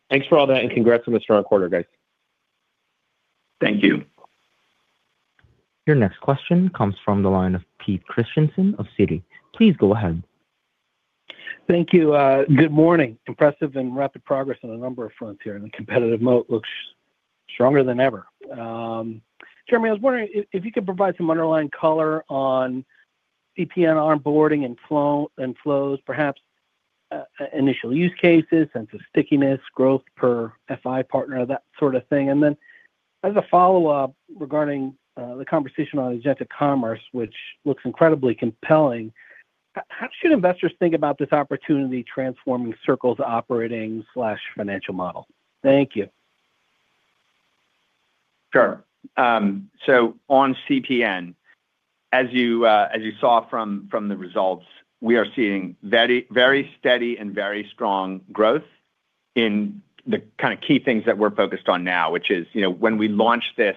[SPEAKER 7] Thanks for all that, and congrats on the strong quarter, guys.
[SPEAKER 3] Thank you.
[SPEAKER 1] Your next question comes from the line of Peter Christiansen of Citi. Please go ahead.
[SPEAKER 8] Thank you. Good morning. Impressive and rapid progress on a number of fronts here, and the competitive moat looks stronger than ever. Jeremy, I was wondering if you could provide some underlying color on CPN onboarding and flows, perhaps, initial use cases, sense of stickiness, growth per FI partner, that sort of thing. As a follow-up regarding the conversation on agentic commerce, which looks incredibly compelling, how should investors think about this opportunity transforming Circle's operating/financial model? Thank you.
[SPEAKER 3] Sure. On CPN, as you saw from the results, we are seeing very steady and very strong growth in the kind of key things that we're focused on now, which is, you know, when we launched this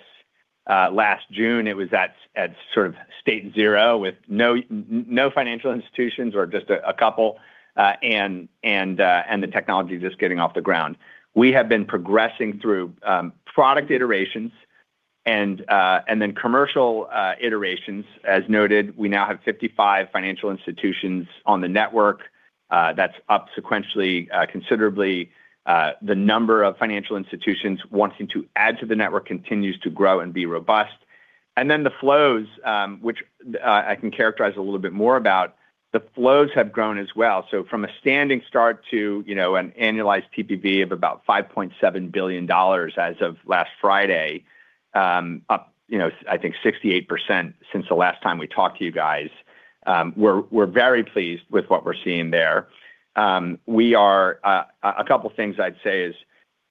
[SPEAKER 3] last June, it was at sort of state zero, with no financial institutions or just a couple, and the technology just getting off the ground. We have been progressing through product iterations and then commercial iterations. As noted, we now have 55 financial institutions on the network. That's up sequentially considerably. The number of financial institutions wanting to add to the network continues to grow and be robust. Then the flows, which I can characterize a little bit more about, the flows have grown as well. From a standing start to, you know, an annualized PPV of about $5.7 billion as of last Friday, up, you know, I think 68% since the last time we talked to you guys. We're very pleased with what we're seeing there. A couple things I'd say is,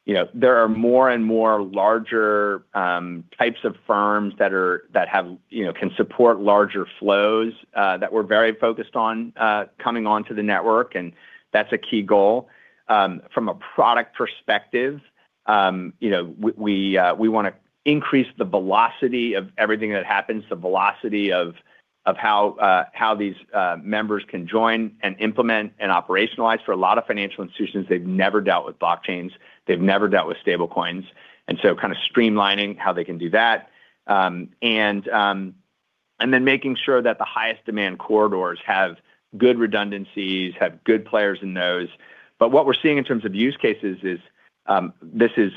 [SPEAKER 3] you know, there are more and more larger types of firms that have, you know, can support larger flows that we're very focused on coming onto the network, and that's a key goal. From a product perspective, you know, we wanna increase the velocity of everything that happens, the velocity of how these members can join and implement and operationalize. For a lot of financial institutions, they've never dealt with blockchains, they've never dealt with stablecoins, and so kind of streamlining how they can do that. And then making sure that the highest demand corridors have good redundancies, have good players in those. What we're seeing in terms of use cases is, this is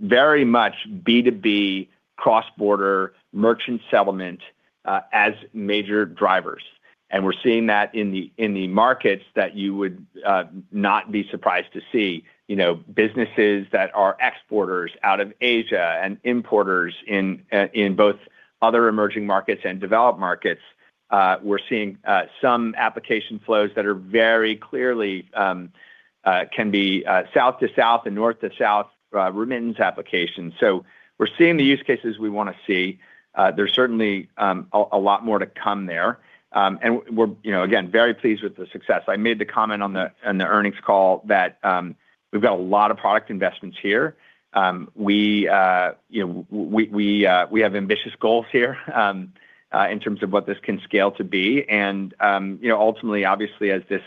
[SPEAKER 3] very much B2B cross-border merchant settlement as major drivers. We're seeing that in the, in the markets that you would not be surprised to see, you know, businesses that are exporters out of Asia and importers in both other emerging markets and developed markets. We're seeing some application flows that are very clearly can be south to south and north to south remittance applications. We're seeing the use cases we wanna see. There's certainly a lot more to come there. We're, you know, again, very pleased with the success. I made the comment on the earnings call that we've got a lot of product investments here. We, you know, we have ambitious goals here in terms of what this can scale to be. You know, ultimately, obviously, as this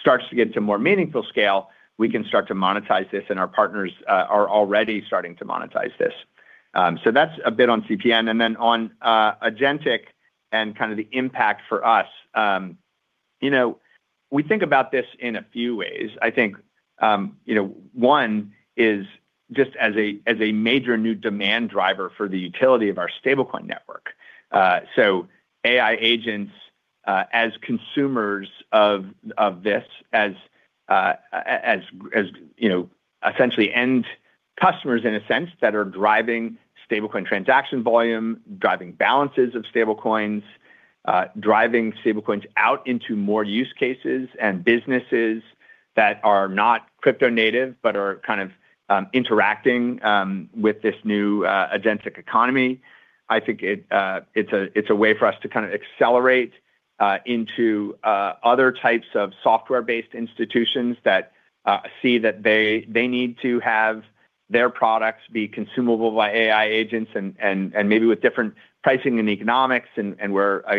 [SPEAKER 3] starts to get to more meaningful scale, we can start to monetize this, and our partners are already starting to monetize this. That's a bit on CPN. On Agentic and kind of the impact for us, you know, we think about this in a few ways. I think, you know, one is just as a, as a major new demand driver for the utility of our Stablecoin network. AI agents as consumers of this as, you know, essentially end customers in a sense, that are driving Stablecoin transaction volume, driving balances of stablecoins, driving stablecoins out into more use cases and businesses that are not crypto-native, but are kind of interacting with this new Agentic economy. I think it's a way for us to kind of accelerate into other types of software-based institutions that see that they need to have their products be consumable by AI agents and maybe with different pricing and economics, and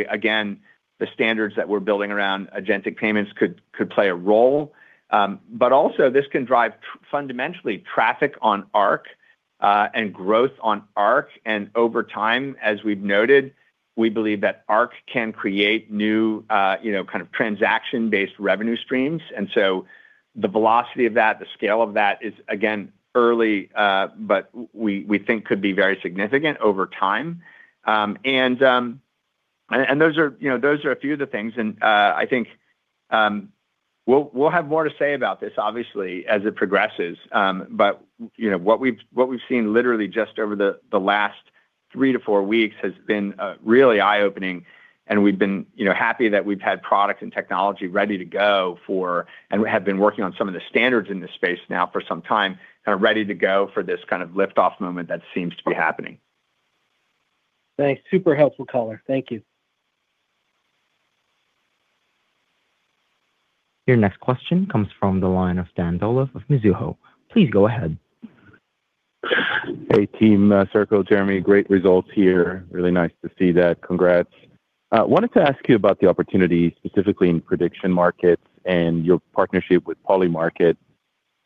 [SPEAKER 3] again, the standards that we're building around Agentic payments could play a role. Also this can drive fundamentally traffic on Arc and growth on Arc. Over time, as we've noted, we believe that Arc can create new, you know, kind of transaction-based revenue streams. The velocity of that, the scale of that is, again, early, but we think could be very significant over time. Those are, you know, those are a few of the things, and I think we'll have more to say about this, obviously, as it progresses. You know, what we've seen literally just over the last 3 to 4 weeks has been really eye-opening, and we've been, you know, happy that we've had product and technology ready to go for, and we have been working on some of the standards in this space now for some time, and are ready to go for this kind of lift-off moment that seems to be happening.
[SPEAKER 8] Thanks. Super helpful color. Thank you.
[SPEAKER 1] Your next question comes from the line of Dan Dolev of Mizuho. Please go ahead.
[SPEAKER 9] Hey, team, Circle, Jeremy, great results here. Really nice to see that. Congrats. I wanted to ask you about the opportunity, specifically in prediction markets and your partnership with Polymarket.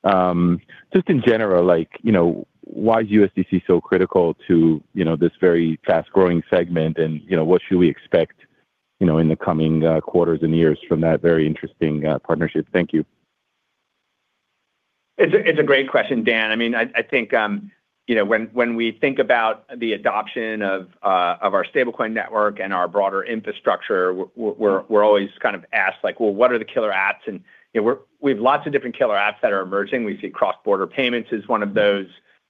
[SPEAKER 9] Just in general, like, you know, why is USDC so critical to, you know, this very fast-growing segment? You know, what should we expect, you know, in the coming quarters and years from that very interesting partnership? Thank you.
[SPEAKER 3] It's a great question, Dan. I mean, I think, you know, when we think about the adoption of our Stablecoin network and our broader infrastructure, we're always kind of asked, like: Well, what are the killer apps? You know, we've lots of different killer apps that are emerging. We see cross-border payments is one of those.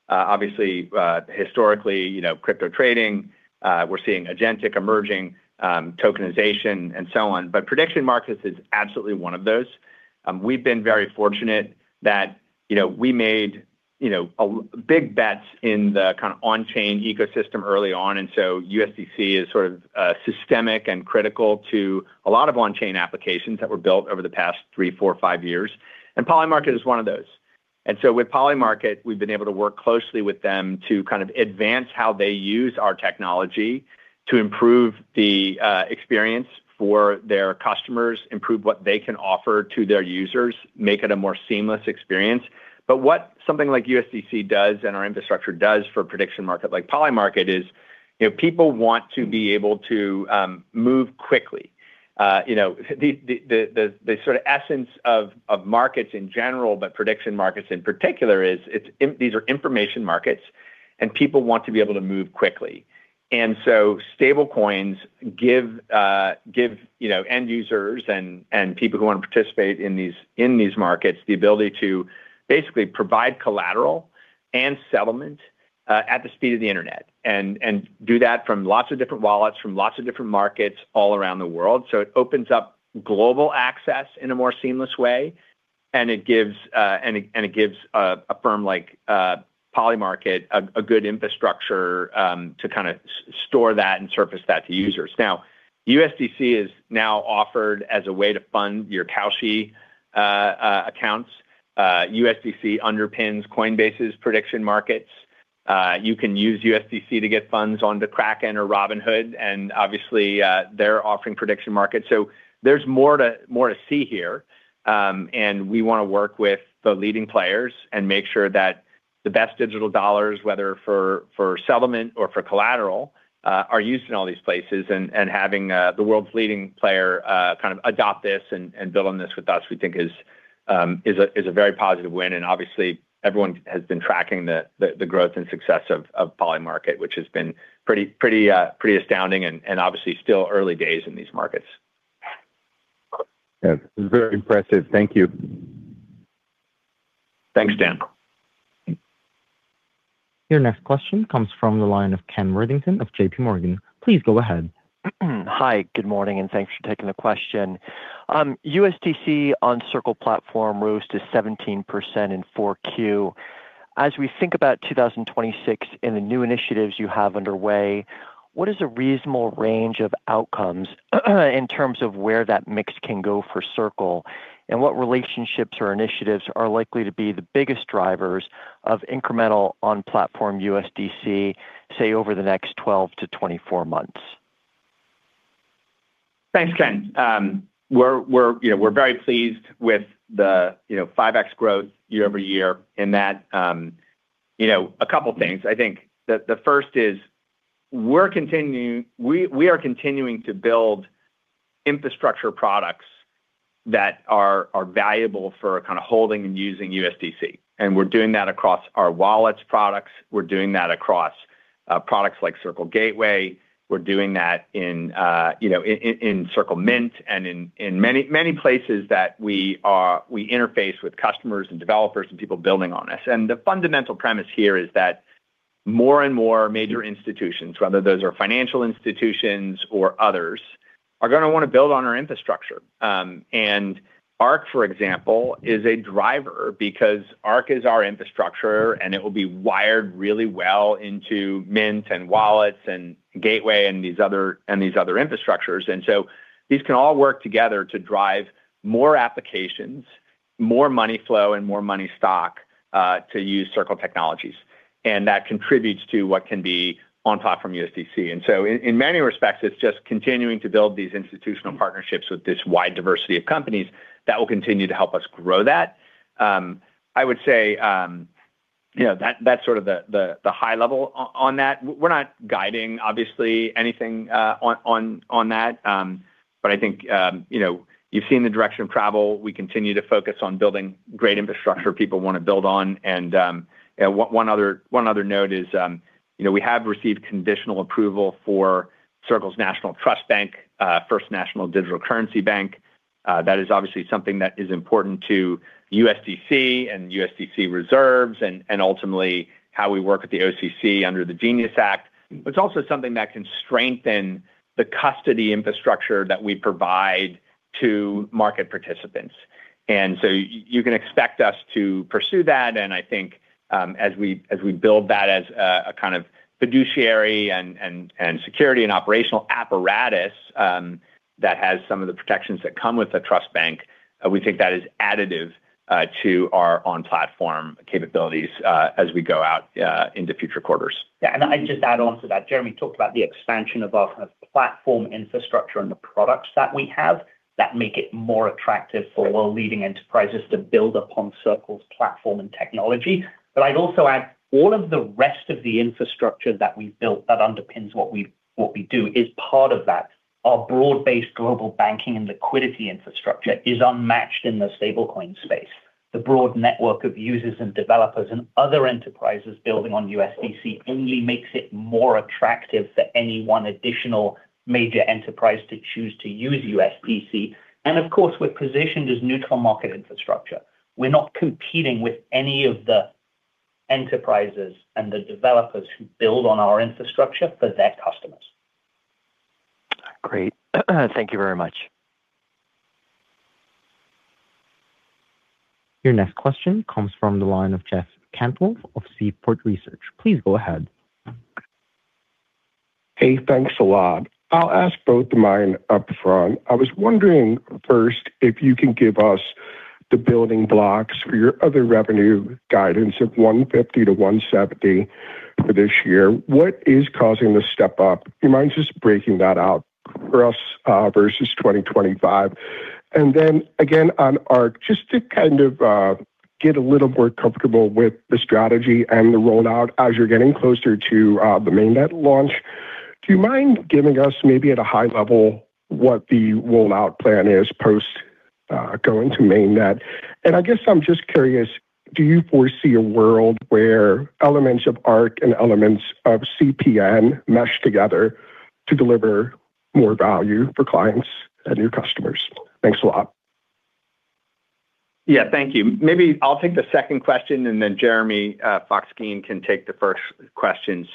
[SPEAKER 3] Obviously, historically, you know, crypto trading, we're seeing Agentic emerging, tokenization, and so on. Prediction markets is absolutely one of those. We've been very fortunate that, you know, we made, you know, a big bets in the kind of on-chain ecosystem early on, and so USDC is sort of systemic and critical to a lot of on-chain applications that were built over the past three, four, or five years, and Polymarket is one of those. With Polymarket, we've been able to work closely with them to kind of advance how they use our technology to improve the experience for their customers, improve what they can offer to their users, make it a more seamless experience. What something like USDC does and our infrastructure does for prediction market, like Polymarket, is, you know, people want to be able to move quickly. You know, the sort of essence of markets in general, but prediction markets in particular, is these are information markets, and people want to be able to move quickly. Stable coins give, you know, end users and people who want to participate in these markets, the ability to basically provide collateral and settlement at the speed of the internet, and do that from lots of different wallets, from lots of different markets all around the world. It opens up global access in a more seamless way, and it gives a firm like Polymarket a good infrastructure to kinda store that and surface that to users. USDC is now offered as a way to fund your Kalshi accounts. USDC underpins Coinbase's prediction markets. You can use USDC to get funds onto Kraken or Robinhood, and obviously, they're offering prediction markets. There's more to see here, and we want to work with the leading players and make sure that the best digital dollars, whether for settlement or for collateral, are used in all these places. Having the world's leading player kind of adopt this and build on this with us, we think is a very positive win, and obviously everyone has been tracking the growth and success of Polymarket, which has been pretty astounding, and obviously still early days in these markets.
[SPEAKER 9] Yeah, very impressive. Thank you.
[SPEAKER 3] Thanks, Dan.
[SPEAKER 1] Your next question comes from the line of Kenneth Worthington of JP Morgan. Please go ahead.
[SPEAKER 10] Hi, good morning, and thanks for taking the question. USDC on Circle platform rose to 17% in Q4. As we think about 2026 and the new initiatives you have underway, what is a reasonable range of outcomes in terms of where that mix can go for Circle? What relationships or initiatives are likely to be the biggest drivers of incremental on-platform USDC, say, over the next 12-24 months?
[SPEAKER 3] Thanks, Ken. We're, you know, we're very pleased with the, you know, 5x growth year-over-year, in that, you know. A couple things. I think that the first is we are continuing to build infrastructure products that are valuable for kind of holding and using USDC, and we're doing that across our wallets products, we're doing that across products like Circle Gateway, we're doing that in, you know, in Circle Mint and in many places that we interface with customers and developers and people building on us. The fundamental premise here is that more and more major institutions, whether those are financial institutions or others, are gonna wanna build on our infrastructure. Arc, for example, is a driver because Arc is our infrastructure, and it will be wired really well into Mint and Wallets and Gateway and these other infrastructures. These can all work together to drive more applications, more money flow, and more money stock to use Circle technologies. That contributes to what can be on top from USDC. In many respects, it's just continuing to build these institutional partnerships with this wide diversity of companies that will continue to help us grow that. I would say, you know, that's sort of the high level on that. We're not guiding, obviously, anything on that, but I think, you know, you've seen the direction of travel. We continue to focus on building great infrastructure people wanna build on. You know, one other note is, we have received conditional approval for Circle's National Trust Bank, First National Digital Currency Bank. That is obviously something that is important to USDC and USDC reserves and ultimately how we work with the OCC under the GENIUS Act. It's also something that can strengthen the custody infrastructure that we provide to market participants. You can expect us to pursue that, and I think, as we build that as a kind of fiduciary and security and operational apparatus, that has some of the protections that come with a trust bank, we think that is additive to our on-platform capabilities as we go out into future quarters.
[SPEAKER 4] I'd just add on to that. Jeremy talked about the expansion of our kind of platform infrastructure and the products that we have that make it more attractive for world-leading enterprises to build upon Circle's platform and technology. I'd also add all of the rest of the infrastructure that we've built that underpins what we do is part of that. Our broad-based global banking and liquidity infrastructure is unmatched in the Stablecoin space. The broad network of users and developers and other enterprises building on USDC only makes it more attractive for any one additional major enterprise to choose to use USDC. Of course, we're positioned as neutral market infrastructure. We're not competing with any of the enterprises and the developers who build on our infrastructure for their customers.
[SPEAKER 10] Great. Thank you very much.
[SPEAKER 1] Your next question comes from the line of Jeff Cantwell of Seaport Research. Please go ahead.
[SPEAKER 11] Hey, thanks a lot. I'll ask both of mine up front. I was wondering, first, if you can give us the building blocks for your other revenue guidance of $150-$170 million for this year. What is causing the step-up? You mind just breaking that out for us versus 2025? Then again, on Arc, just to kind of get a little more comfortable with the strategy and the rollout as you're getting closer to the Mainnet launch, do you mind giving us, maybe at a high level, what the rollout plan is post going to Mainnet? I guess I'm just curious, do you foresee a world where elements of Arc and elements of CPN mesh together to deliver more value for clients and your customers? Thanks a lot.
[SPEAKER 3] Yeah, thank you. Maybe I'll take the second question. Jeremy Fox-Geen can take the first question.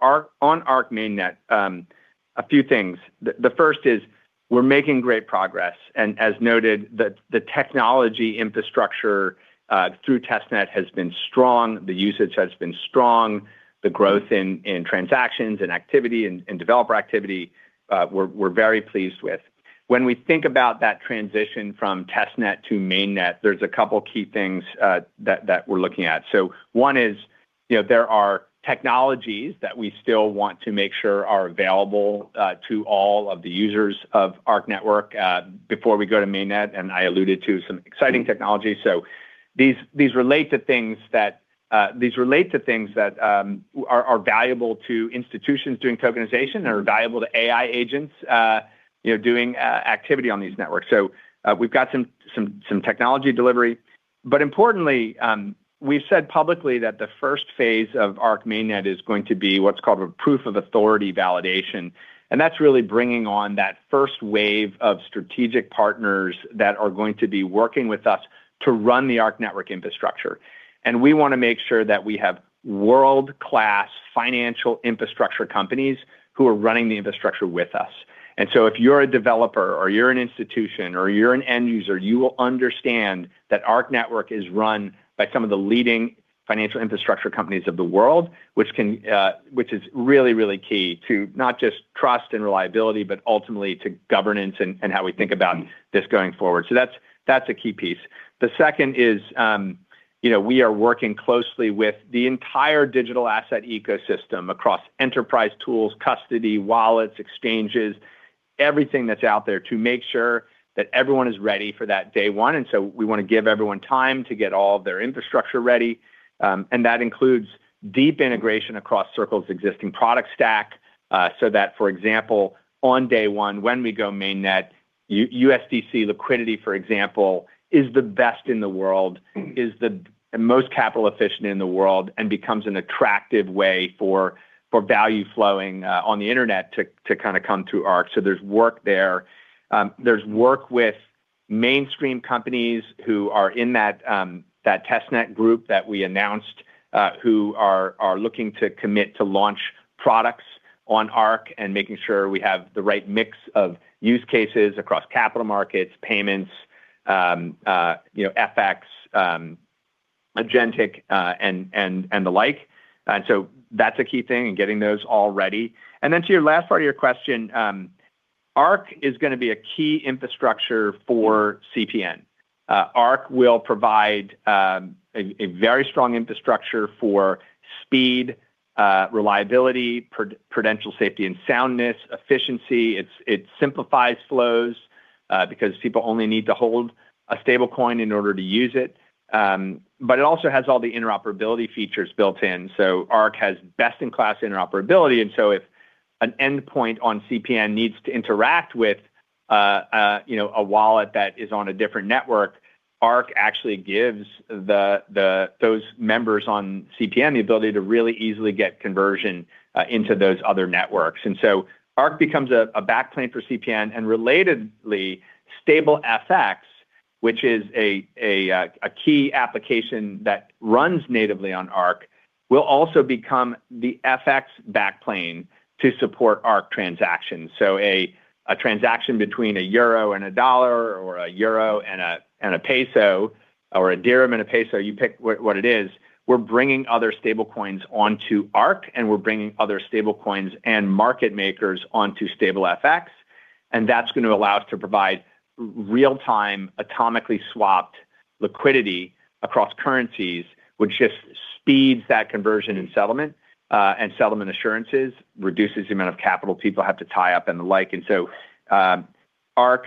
[SPEAKER 3] Arc, on Arc Mainnet, a few things. The first is, we're making great progress, as noted, the technology infrastructure through Testnet has been strong, the usage has been strong, the growth in transactions and activity and developer activity, we're very pleased with. When we think about that transition from Testnet to Mainnet, there's a couple key things that we're looking at. One, you know, there are technologies that we still want to make sure are available to all of the users of Arc network before we go to Mainnet. I alluded to some exciting technology. These relate to things that are valuable to institutions doing tokenization or are valuable to AI agents, you know, doing activity on these networks. We've got some technology delivery, but importantly, we've said publicly that the first phase of Arc Mainnet is going to be what's called a proof of authority validation, and that's really bringing on that first wave of strategic partners that are going to be working with us to run the Arc network infrastructure. We want to make sure that we have world-class financial infrastructure companies who are running the infrastructure with us. If you're a developer or you're an institution or you're an end user, you will understand that Arc network is run by some of the leading financial infrastructure companies of the world, which is really key to not just trust and reliability, but ultimately to governance and how we think about this going forward. That's a key piece. The second is, you know, we are working closely with the entire digital asset ecosystem across enterprise tools, custody, wallets, exchanges, everything that's out there, to make sure that everyone is ready for that day one. We want to give everyone time to get all of their infrastructure ready, and that includes deep integration across Circle's existing product stack, so that, for example, on day one, when we go main net, USDC liquidity, for example, is the best in the world, is the most capital efficient in the world, and becomes an attractive way for value flowing on the internet to kinda come through Arc. There's work there. There's work with mainstream companies who are in that test net group that we announced, who are looking to commit to launch products on Arc and making sure we have the right mix of use cases across capital markets, payments, you know, FX, agentic, and the like. That's a key thing in getting those all ready. To your last part of your question, Arc is going to be a key infrastructure for CPN. Arc will provide a very strong infrastructure for speed, reliability, prudential safety and soundness, efficiency. It simplifies flows because people only need to hold a Stablecoin in order to use it. It also has all the interoperability features built in. Arc has best-in-class interoperability. If an endpoint on CPN needs to interact with, you know, a wallet that is on a different network, Arc actually gives those members on CPN the ability to really easily get conversion into those other networks. Arc becomes a backplane for CPN, and relatedly, StableFX, which is a key application that runs natively on Arc, will also become the FX backplane to support Arc transactions. A transaction between a euro and a dollar, or a euro and a peso, or a dirham and a peso, you pick what it is, we're bringing other stablecoins onto Arc, and we're bringing other stablecoins and market makers onto StableFX. That's gonna allow us to provide real-time, atomically swapped liquidity across currencies, which just speeds that conversion and settlement, and settlement assurances, reduces the amount of capital people have to tie up and the like. Arc,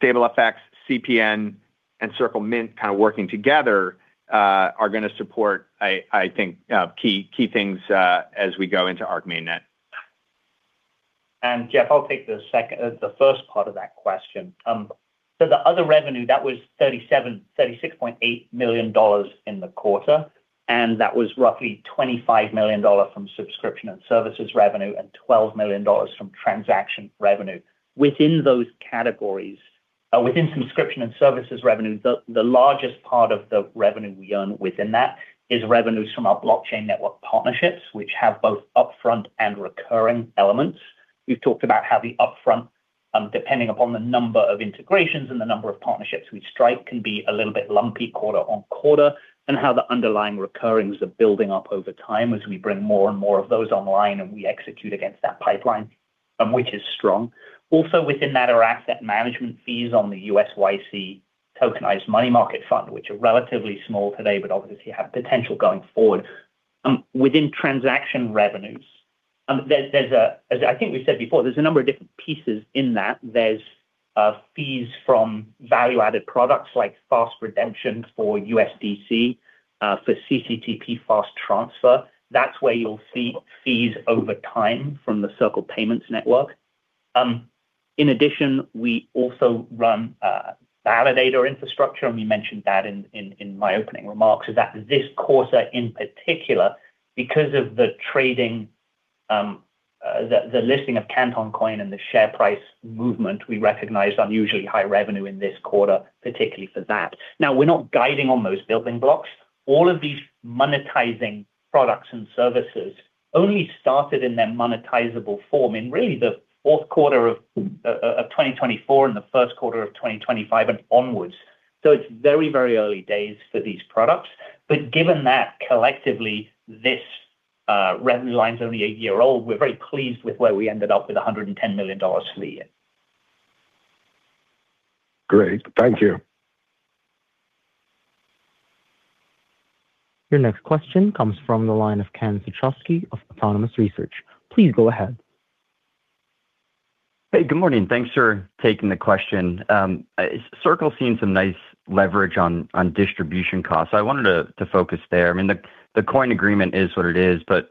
[SPEAKER 3] StableFX, CPN, and Circle Mint kind of working together, are gonna support, I think, key things, as we go into Arc Mainnet.
[SPEAKER 4] Jeff, I'll take the first part of that question. The other revenue, that was $36.8 million in the quarter, and that was roughly $25 million from subscription and services revenue, and $12 million from transaction revenue. Within those categories, within subscription and services revenue, the largest part of the revenue we earn within that is revenues from our blockchain network partnerships, which have both upfront and recurring elements. We've talked about how the upfront, depending upon the number of integrations and the number of partnerships we strike, can be a little bit lumpy quarter on quarter, and how the underlying recurrings are building up over time as we bring more and more of those online, and we execute against that pipeline, which is strong. Also within that, our asset management fees on the USYC tokenized money market fund, which are relatively small today, but obviously have potential going forward. Within transaction revenues, as I think we said before, there's a number of different pieces in that. There's fees from value-added products like fast redemption for USDC, for CCTP fast transfer. That's where you'll see fees over time from the Circle Payments Network. In addition, we also run validator infrastructure, and we mentioned that in my opening remarks, is that this quarter, in particular, because of the trading, the listing of Canton Coin and the share price movement, we recognized unusually high revenue in this quarter, particularly for that. Now, we're not guiding on those building blocks. All of these monetizing products and services only started in their monetizable form in really the Q4 of 2024 and the Q1 of 2025 and onwards. It's very, very early days for these products. Given that, collectively, this revenue line is only a year old, we're very pleased with where we ended up with $110 million for the year.
[SPEAKER 11] Great. Thank you.
[SPEAKER 1] Your next question comes from the line of Ken Suchoski of Autonomous Research. Please go ahead.
[SPEAKER 12] Hey, good morning. Thanks for taking the question. Circle seen some nice leverage on distribution costs. I wanted to focus there. I mean, the coin agreement is what it is, but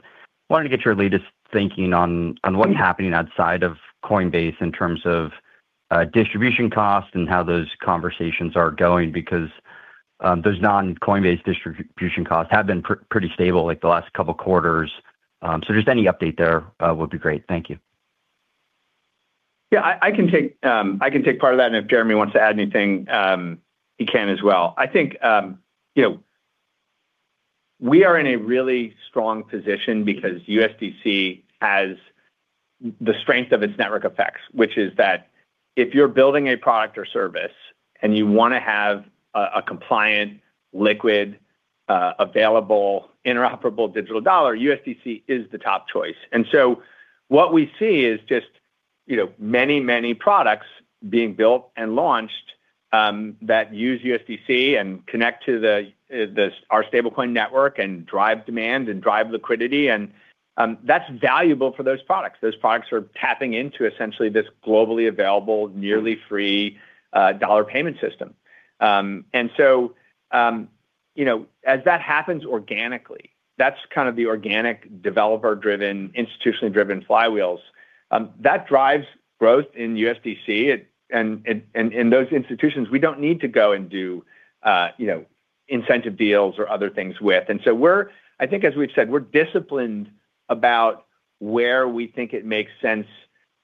[SPEAKER 12] wanted to get your latest thinking on what's happening outside of Coinbase in terms of distribution costs and how those conversations are going, because those non-Coinbase distribution costs have been pretty stable, like, the last couple quarters. Just any update there would be great. Thank you.
[SPEAKER 3] Yeah, I can take, I can take part of that, and if Jeremy wants to add anything, he can as well. I think, you know, we are in a really strong position because USDC has the strength of its network effects, which is that if you're building a product or service and you wanna have a compliant, liquid, available, interoperable digital dollar, USDC is the top choice. What we see is just, you know, many, many products being built and launched, that use USDC and connect to this, our Stablecoin network and drive demand and drive liquidity. That's valuable for those products. Those products are tapping into essentially this globally available, nearly free, dollar payment system. You know, as that happens organically, that's kind of the organic, developer-driven, institutionally-driven flywheels that drives growth in USDC, it, and those institutions, we don't need to go and do, you know, incentive deals or other things with. I think as we've said, we're disciplined about where we think it makes sense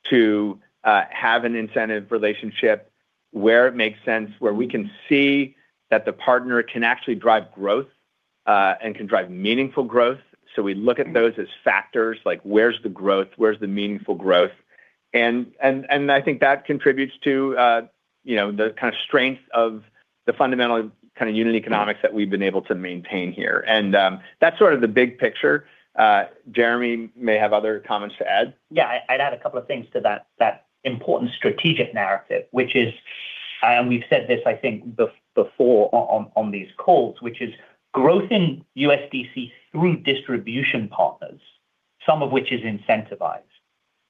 [SPEAKER 3] to have an incentive relationship, where it makes sense, where we can see that the partner can actually drive growth and can drive meaningful growth. We look at those as factors, like, where's the growth? Where's the meaningful growth? I think that contributes to, you know, the kind of strength of the fundamental kind of unit economics that we've been able to maintain here. That's sort of the big picture. Jeremy may have other comments to add.
[SPEAKER 4] Yeah, I'd add a couple of things to that important strategic narrative, which is, and we've said this, I think, before on these calls, which is growth in USDC through distribution partners, some of which is incentivized,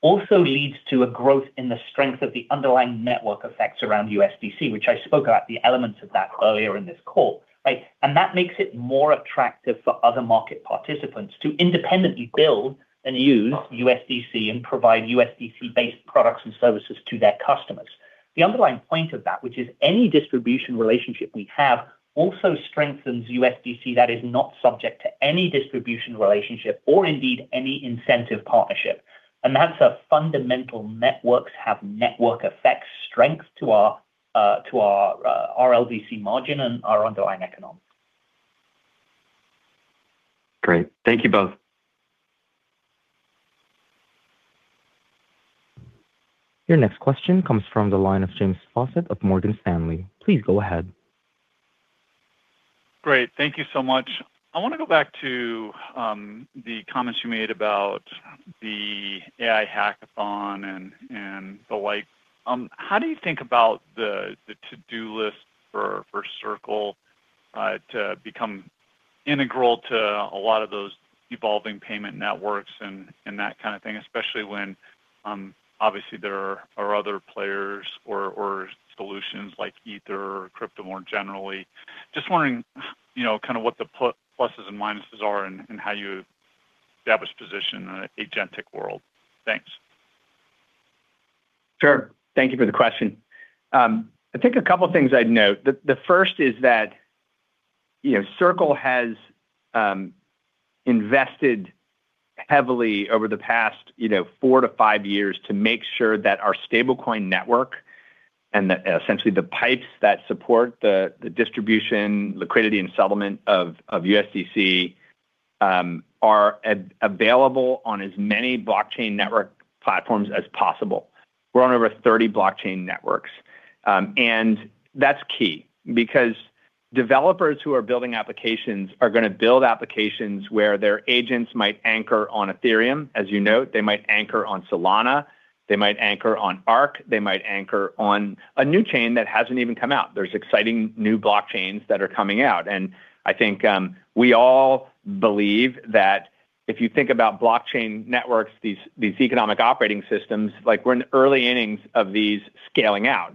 [SPEAKER 4] also leads to a growth in the strength of the underlying network effects around USDC, which I spoke about the elements of that earlier in this call, right? That makes it more attractive for other market participants to independently build and use USDC and provide USDC-based products and services to their customers. The underlying point of that, which is any distribution relationship we have, also strengthens USDC, that is not subject to any distribution relationship or indeed any incentive partnership. That's a fundamental networks have network effects strength to our to our RLDC margin and our underlying economics.
[SPEAKER 12] Great. Thank you both.
[SPEAKER 1] Your next question comes from the line of James Faucette of Morgan Stanley. Please go ahead.
[SPEAKER 13] Great. Thank you so much. I wanna go back to the comments you made about the AI hackathon and the like. How do you think about the to-do list for Circle to become integral to a lot of those evolving payment networks and that kind of thing, especially when obviously there are other players or solutions like Ether or Crypto more generally? Just wondering, you know, kinda what the pluses and minuses are and how you establish position in an agentic world. Thanks.
[SPEAKER 3] Sure. Thank you for the question. I think a couple of things I'd note. The first is that, you know, Circle has invested heavily over the past, you know, 4 to 5 years to make sure that our Stablecoin network and the, essentially, the pipes that support the distribution, liquidity, and settlement of USDC are available on as many blockchain network platforms as possible. We're on over 30 blockchain networks. That's key because developers who are building applications are gonna build applications where their agents might anchor on Ethereum. As you note, they might anchor on Solana, they might anchor on Arc, they might anchor on a new chain that hasn't even come out. There's exciting new blockchains that are coming out, and I think, we all believe that if you think about blockchain networks, these economic operating systems, like, we're in early innings of these scaling out,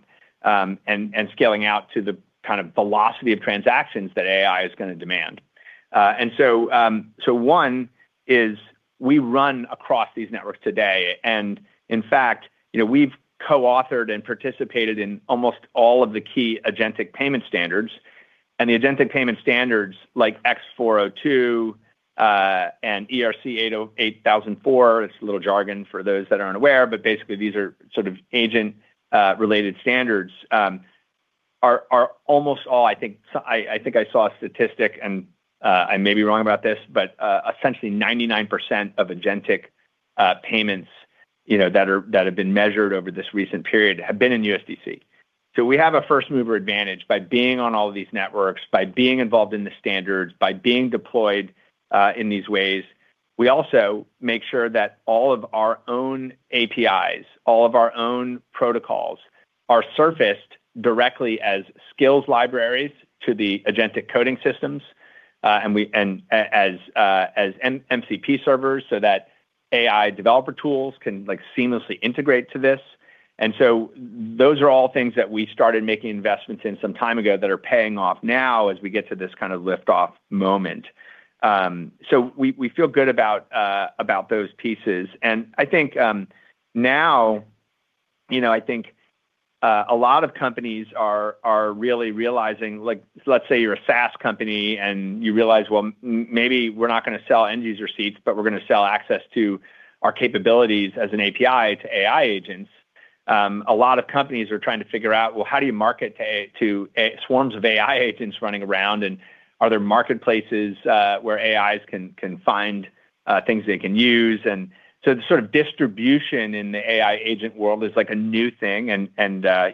[SPEAKER 3] scaling out to the kind of velocity of transactions that AI is gonna demand. One is we run across these networks today, and in fact, you know, we've coauthored and participated in almost all of the key agentic payment standards. The agentic payment standards, like X402, and ERC80- 8004, it's a little jargon for those that are unaware, but basically these are sort of agent, related standards, almost all, I think... I think I saw a statistic, and I may be wrong about this, but essentially 99% of agentic payments, you know, that have been measured over this recent period have been in USDC. We have a first-mover advantage by being on all of these networks, by being involved in the standards, by being deployed in these ways. We also make sure that all of our own APIs, all of our own protocols are surfaced directly as skills libraries to the agentic coding systems, and as MCP servers, so that AI developer tools can, like, seamlessly integrate to this. Those are all things that we started making investments in some time ago that are paying off now as we get to this kind of liftoff moment. We feel good about those pieces. I think, now, you know, I think a lot of companies are really realizing, like, let's say you're a SaaS company, and you realize: "Well, maybe we're not gonna sell end user seats, but we're gonna sell access to our capabilities as an API to AI agents." A lot of companies are trying to figure out, well, how do you market to swarms of AI agents running around? Are there marketplaces where AIs can find things they can use? The sort of distribution in the AI agent world is like a new thing, and,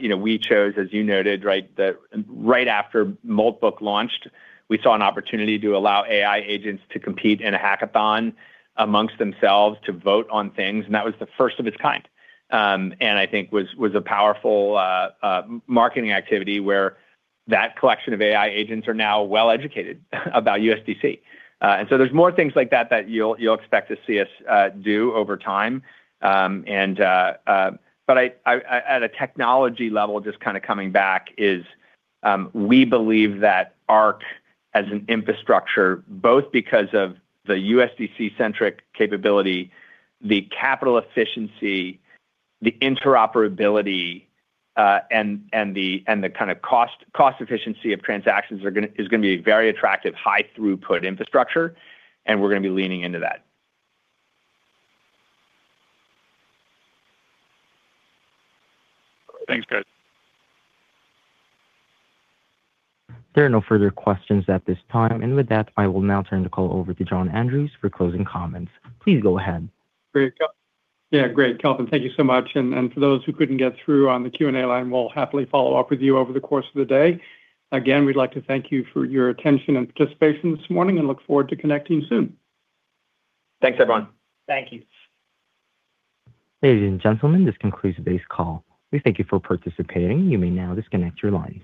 [SPEAKER 3] you know, we chose, as you noted, right, that right after Moltbook launched, we saw an opportunity to allow AI agents to compete in a hackathon amongst themselves to vote on things, and that was the first of its kind. I think was a powerful marketing activity where that collection of AI agents are now well-educated about USDC. There's more things like that that you'll expect to see us do over time. At a technology level, just kind of coming back, we believe that Arc as an infrastructure, both because of the USDC-centric capability, the capital efficiency, the interoperability, and the kind of cost efficiency of transactions is going to be a very attractive, high-throughput infrastructure, and we're going to be leaning into that.
[SPEAKER 13] Thanks, guys.
[SPEAKER 1] There are no further questions at this time. With that, I will now turn the call over to John Andrews for closing comments. Please go ahead.
[SPEAKER 2] Great. Yeah, great, Calvin. Thank you so much. For those who couldn't get through on the Q&A line, we'll happily follow up with you over the course of the day. Again, we'd like to thank you for your attention and participation this morning, and look forward to connecting soon.
[SPEAKER 3] Thanks, everyone.
[SPEAKER 4] Thank you.
[SPEAKER 1] Ladies and gentlemen, this concludes today's call. We thank you for participating. You may now disconnect your lines.